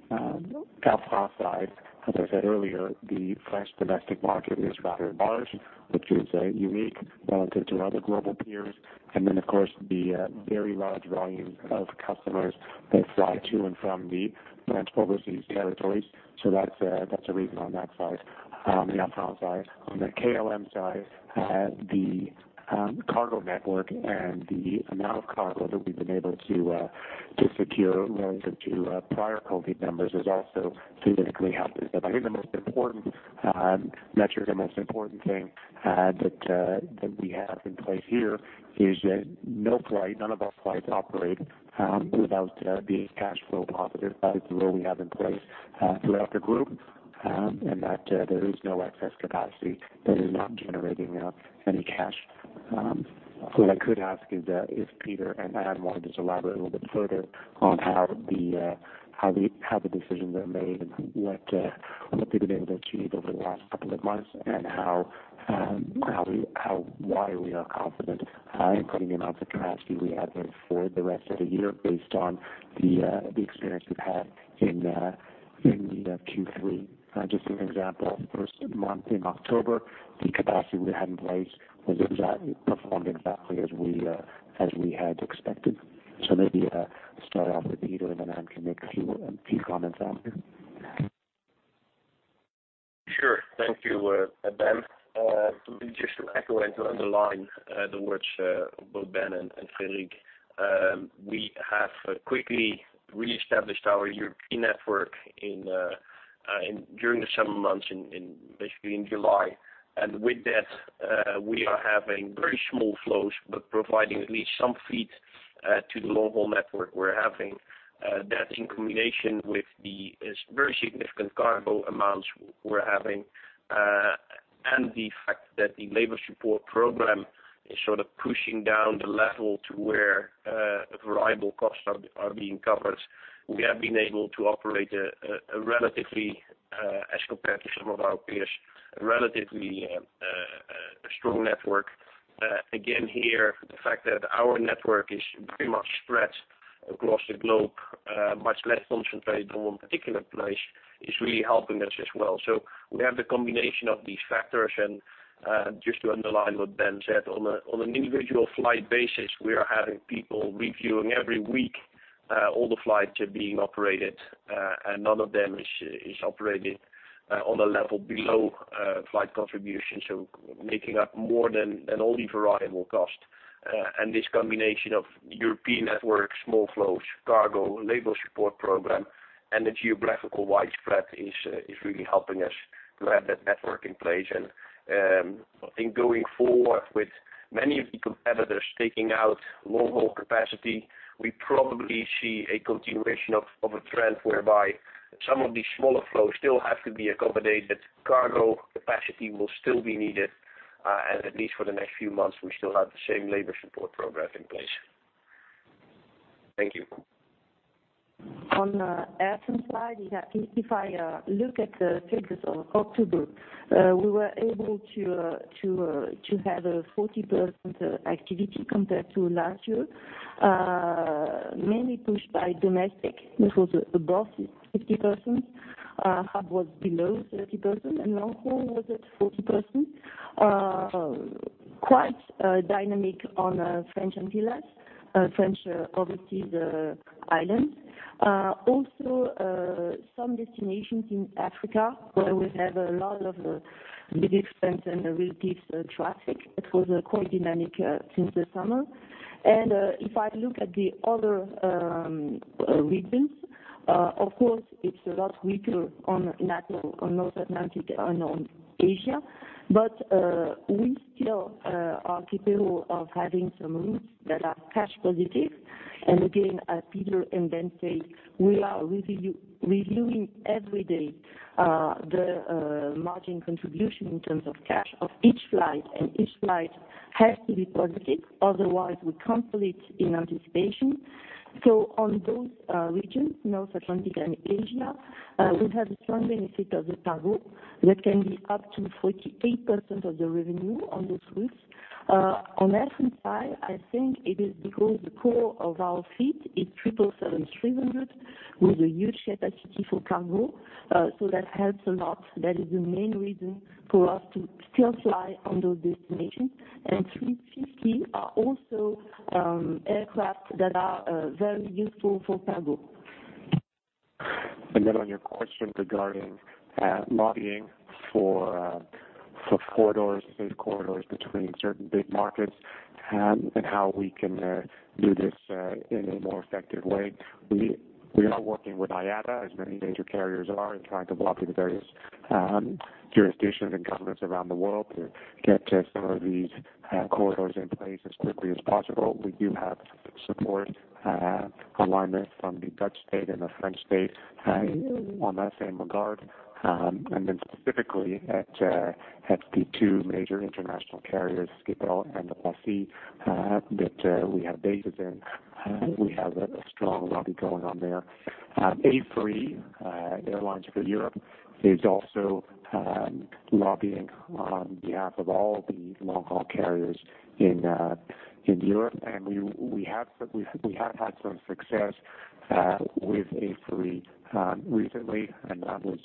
[SPEAKER 2] Air France side, as I said earlier, the French domestic market is rather large, which is unique relative to other global peers. Of course, the very large volume of customers that fly to and from the French overseas territories. That's a reason on that side, on the Air France side. On the KLM side, the cargo network and the amount of cargo that we've been able to- To secure relative to prior COVID-19 numbers is also significantly helping. I think the most important metric, the most important thing that we have in place here is that none of our flights operate without being cash flow positive. That is the rule we have in place throughout the group, and that there is no excess capacity that is not generating any cash. What I could ask is if Pieter and Anne want to just elaborate a little bit further on how the decisions were made and what they've been able to achieve over the last couple of months, and why we are confident in cutting the amount of capacity we have there for the rest of the year based on the experience we've had in Q3. Just as an example, the first month in October, the capacity we had in place performed exactly as we had expected. Maybe start off with Pieter, and then Anne can make a few comments after.
[SPEAKER 4] Sure. Thank you, Ben. Just to echo and to underline the words of both Ben and Frédéric. We have quickly reestablished our European network during the summer months, basically in July. With that, we are having very small flows, but providing at least some feed to the long-haul network we're having. That, in combination with the very significant cargo amounts we're having, and the fact that the labor support program is sort of pushing down the level to where variable costs are being covered. We have been able to operate, as compared to some of our peers, a relatively strong network. Again, here, the fact that our network is pretty much spread across the globe, much less concentrated on one particular place, is really helping us as well. We have the combination of these factors, and just to underline what Ben said, on an individual flight basis, we are having people reviewing every week all the flights being operated. None of them is operated on a level below flight contribution, so making up more than only variable cost. This combination of European network, small flows, cargo, labor support program, and the geographical widespread is really helping us to have that network in place. I think going forward with many of the competitors taking out long-haul capacity, we probably see a continuation of a trend whereby some of these smaller flows still have to be accommodated. Cargo capacity will still be needed, and at least for the next few months, we still have the same labor support program in place. Thank you.
[SPEAKER 5] On Air France side, if I look at the figures of October, we were able to have a 40% activity compared to last year. Mainly pushed by domestic, which was above 50%. Hub was below 30%, and long-haul was at 40%. Quite dynamic on French Antilles, French overseas islands. Also, some destinations in Africa, where we have a lot of big events and we keep traffic. It was quite dynamic since the summer. If I look at the other regions, of course, it's a lot weaker on North Atlantic and on Asia. We still are capable of having some routes that are cash positive. Again, as Pieter and Ben said, we are reviewing every day the margin contribution in terms of cash of each flight, and each flight has to be positive. Otherwise, we can't put it in anticipation. On those regions, North Atlantic and Asia, we have a strong benefit of the cargo that can be up to 48% of the revenue on those routes. On Air France side, I think it is because the core of our fleet is 777-300 with a huge capacity for cargo. That helps a lot. That is the main reason for us to still fly on those destinations. A350 are also aircraft that are very useful for cargo.
[SPEAKER 2] On your question regarding lobbying for safe corridors between certain big markets and how we can do this in a more effective way. We are working with IATA, as many major carriers are, in trying to lobby the various jurisdictions and governments around the world to get some of these corridors in place as quickly as possible. We do have support alignment from the Dutch state and the French state on that same regard. Specifically at the two major international carriers, SkyTeam and FC, that we have bases in, we have a strong lobby going on there. A4E, Airlines for Europe, is also lobbying on behalf of all the long-haul carriers in Europe. We have had some success with A4E recently, and that was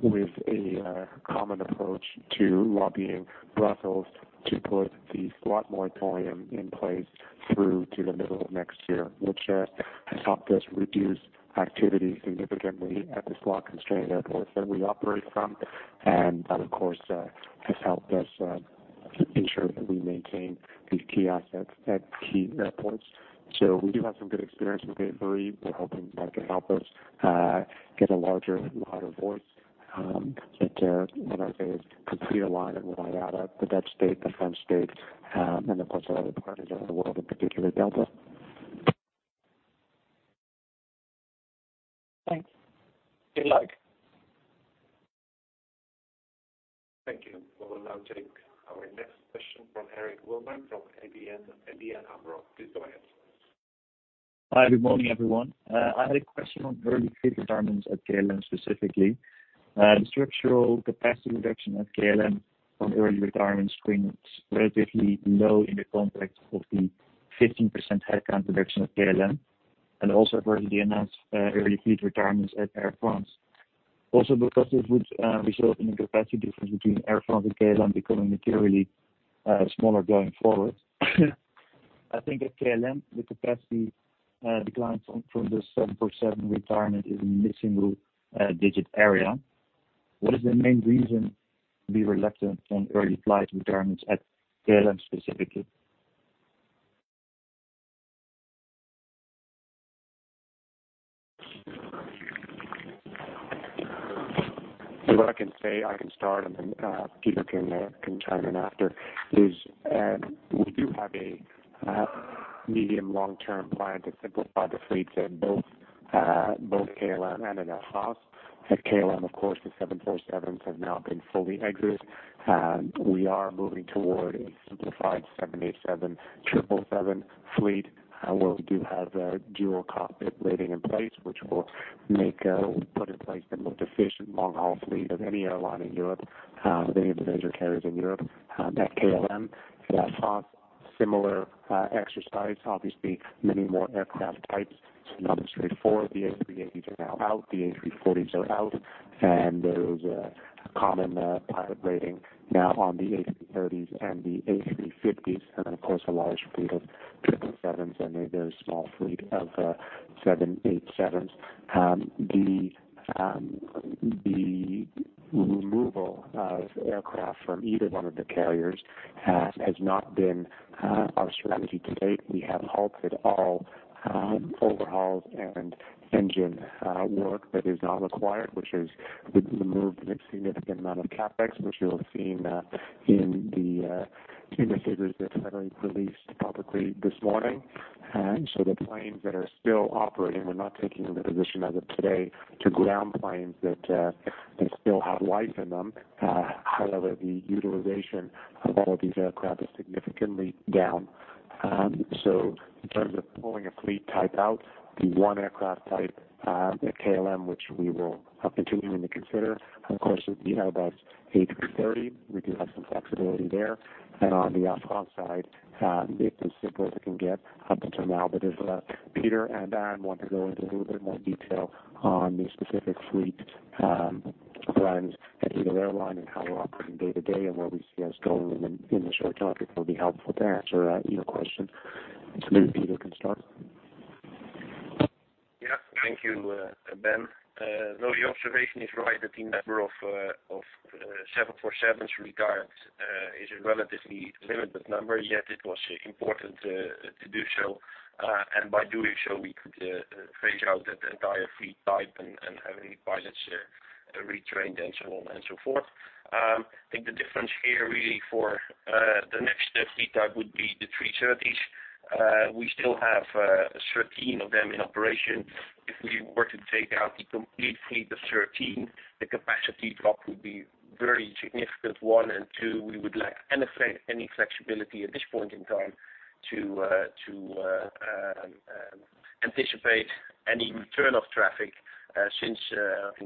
[SPEAKER 2] with a common approach to lobbying Brussels to put the slot moratorium in place through to the middle of next year, which has helped us reduce activity significantly at the slot-constrained airports that we operate from. That, of course, has helped us to ensure that we maintain these key assets at key airports. We do have some good experience with A4E. We're hoping that can help us get a larger, louder voice that what I say is completely aligned with IATA, the Dutch state, the French state, and of course our other partners around the world, in particular Delta.
[SPEAKER 11] Thanks. Good luck.
[SPEAKER 1] Thank you. We will now take our next question from Erik Wilmink from ABN AMRO. Please go ahead.
[SPEAKER 12] Hi, good morning, everyone. I had a question on early fleet retirements at KLM, specifically. The structural capacity reduction at KLM from early retirement screening is relatively low in the context of the 15% headcount reduction at KLM, and also virtually announced early fleet retirements at Air France. Also because this would result in a capacity difference between Air France and KLM becoming materially smaller going forward. I think at KLM, the capacity decline from the 747 retirement is in the single digit area. What is the main reason to be reluctant on early flight retirements at KLM specifically?
[SPEAKER 2] What I can say, I can start and then Pieter can chime in after, is we do have a medium long-term plan to simplify the fleets at both KLM and Air France. At KLM, of course, the 747s have now been fully exited. We are moving toward a simplified 787, 777 fleet, where we do have a dual cockpit rating in place, which will put in place the most efficient long-haul fleet of any airline in Europe, of any of the major carriers in Europe at KLM. At Air France, similar exercise, obviously many more aircraft types. It's an industry four. The A380s are now out, the A340s are out, and there is a common pilot rating now on the A330s and the A350s, and then of course, a large fleet of 777s and a very small fleet of 787s. The removal of aircraft from either one of the carriers has not been our strategy to date. We have halted all overhauls and engine work that is not required, which has removed a significant amount of CapEx, which you'll have seen in the indicators that Anne released publicly this morning. The planes that are still operating, we're not taking the position as of today to ground planes that still have life in them. However, the utilization of all of these aircraft is significantly down. In terms of pulling a fleet type out, the one aircraft type at KLM, which we are continuing to consider, of course, would be our A330. We do have some flexibility there. On the Air France side it's as simple as it can get up until now. If Pieter and Anne want to go into a little bit more detail on the specific fleet plans at either airline and how we're operating day-to-day and where we see us going in the short term, it will be helpful to answer your question. Maybe Pieter can start.
[SPEAKER 4] Thank you, Ben. Your observation is right that the number of 747s retired is a relatively limited number, yet it was important to do so, and by doing so, we could phase out that entire fleet type and have any pilots retrained and so on and so forth. I think the difference here really for the next fleet type would be the A330s. We still have 13 of them in operation. If we were to take out completely the 13, the capacity drop would be very significant, one, and two, we would lack any flexibility at this point in time to anticipate any return of traffic since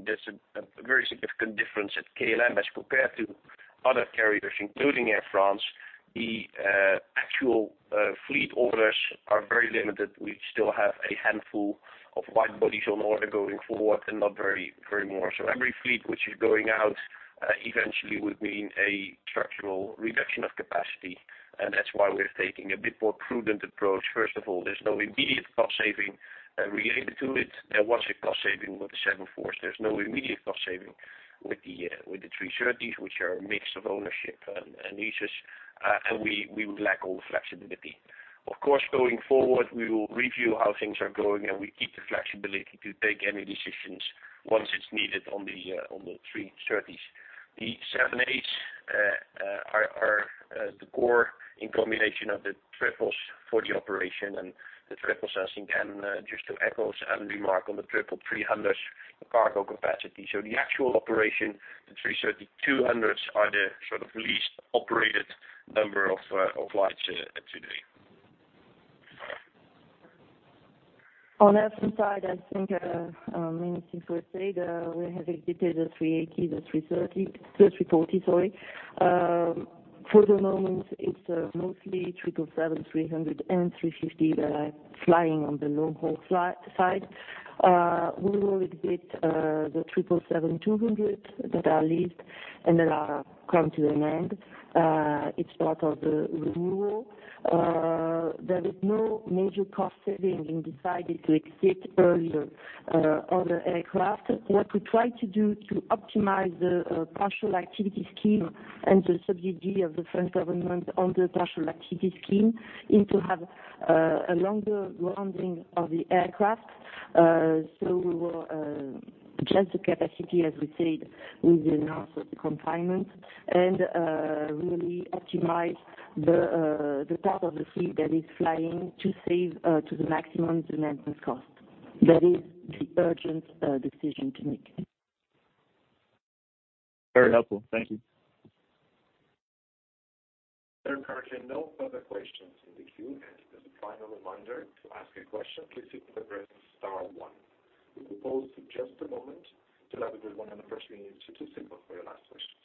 [SPEAKER 4] there's a very significant difference at KLM as compared to other carriers, including Air France. The actual fleet orders are very limited. We still have a handful of wide bodies on order going forward and not very more. Every fleet which is going out eventually would mean a structural reduction of capacity, and that's why we're taking a bit more prudent approach. First of all, there's no immediate cost saving related to it. There was a cost saving with the 747s. There's no immediate cost saving with the A330s, which are a mix of ownership and leases, and we would lack all the flexibility. Of course, going forward, we will review how things are going, and we keep the flexibility to take any decisions once it's needed on the A330s. The 787s are the core in combination of the 777s for the operation, and the 777s as in again, just to echo Anne's remark on the 777-300s cargo capacity. The actual operation, the A330-200s are the sort of least operated number of flights today.
[SPEAKER 5] On Air France side, I think the main thing to say, we have exited the A380, the A340. For the moment it's mostly 777-300 and A350 that are flying on the long-haul side. We will exit the 777-200 that are leased and that are come to an end. It's part of the renewal. There is no major cost saving in deciding to exit earlier other aircraft. What we try to do to optimize the partial activity scheme and the subsidy of the French government on the partial activity scheme is to have a longer grounding of the aircraft. We will adjust the capacity, as we said, with the announcement of the confinement and really optimize the part of the fleet that is flying to save to the maximum the maintenance cost. That is the urgent decision to make.
[SPEAKER 12] Very helpful. Thank you.
[SPEAKER 1] There are currently no further questions in the queue. Just a final reminder to ask a question, please press star one. We will pause for just a moment to allow everyone an opportunity to submit for your last questions.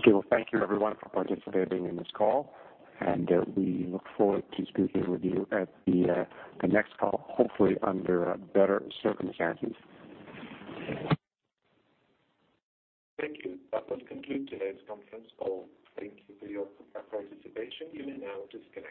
[SPEAKER 2] Okay. Well, thank you everyone for participating in this call, and we look forward to speaking with you at the next call, hopefully under better circumstances.
[SPEAKER 1] Thank you. That will conclude today's conference call. Thank you for your participation. You may now disconnect.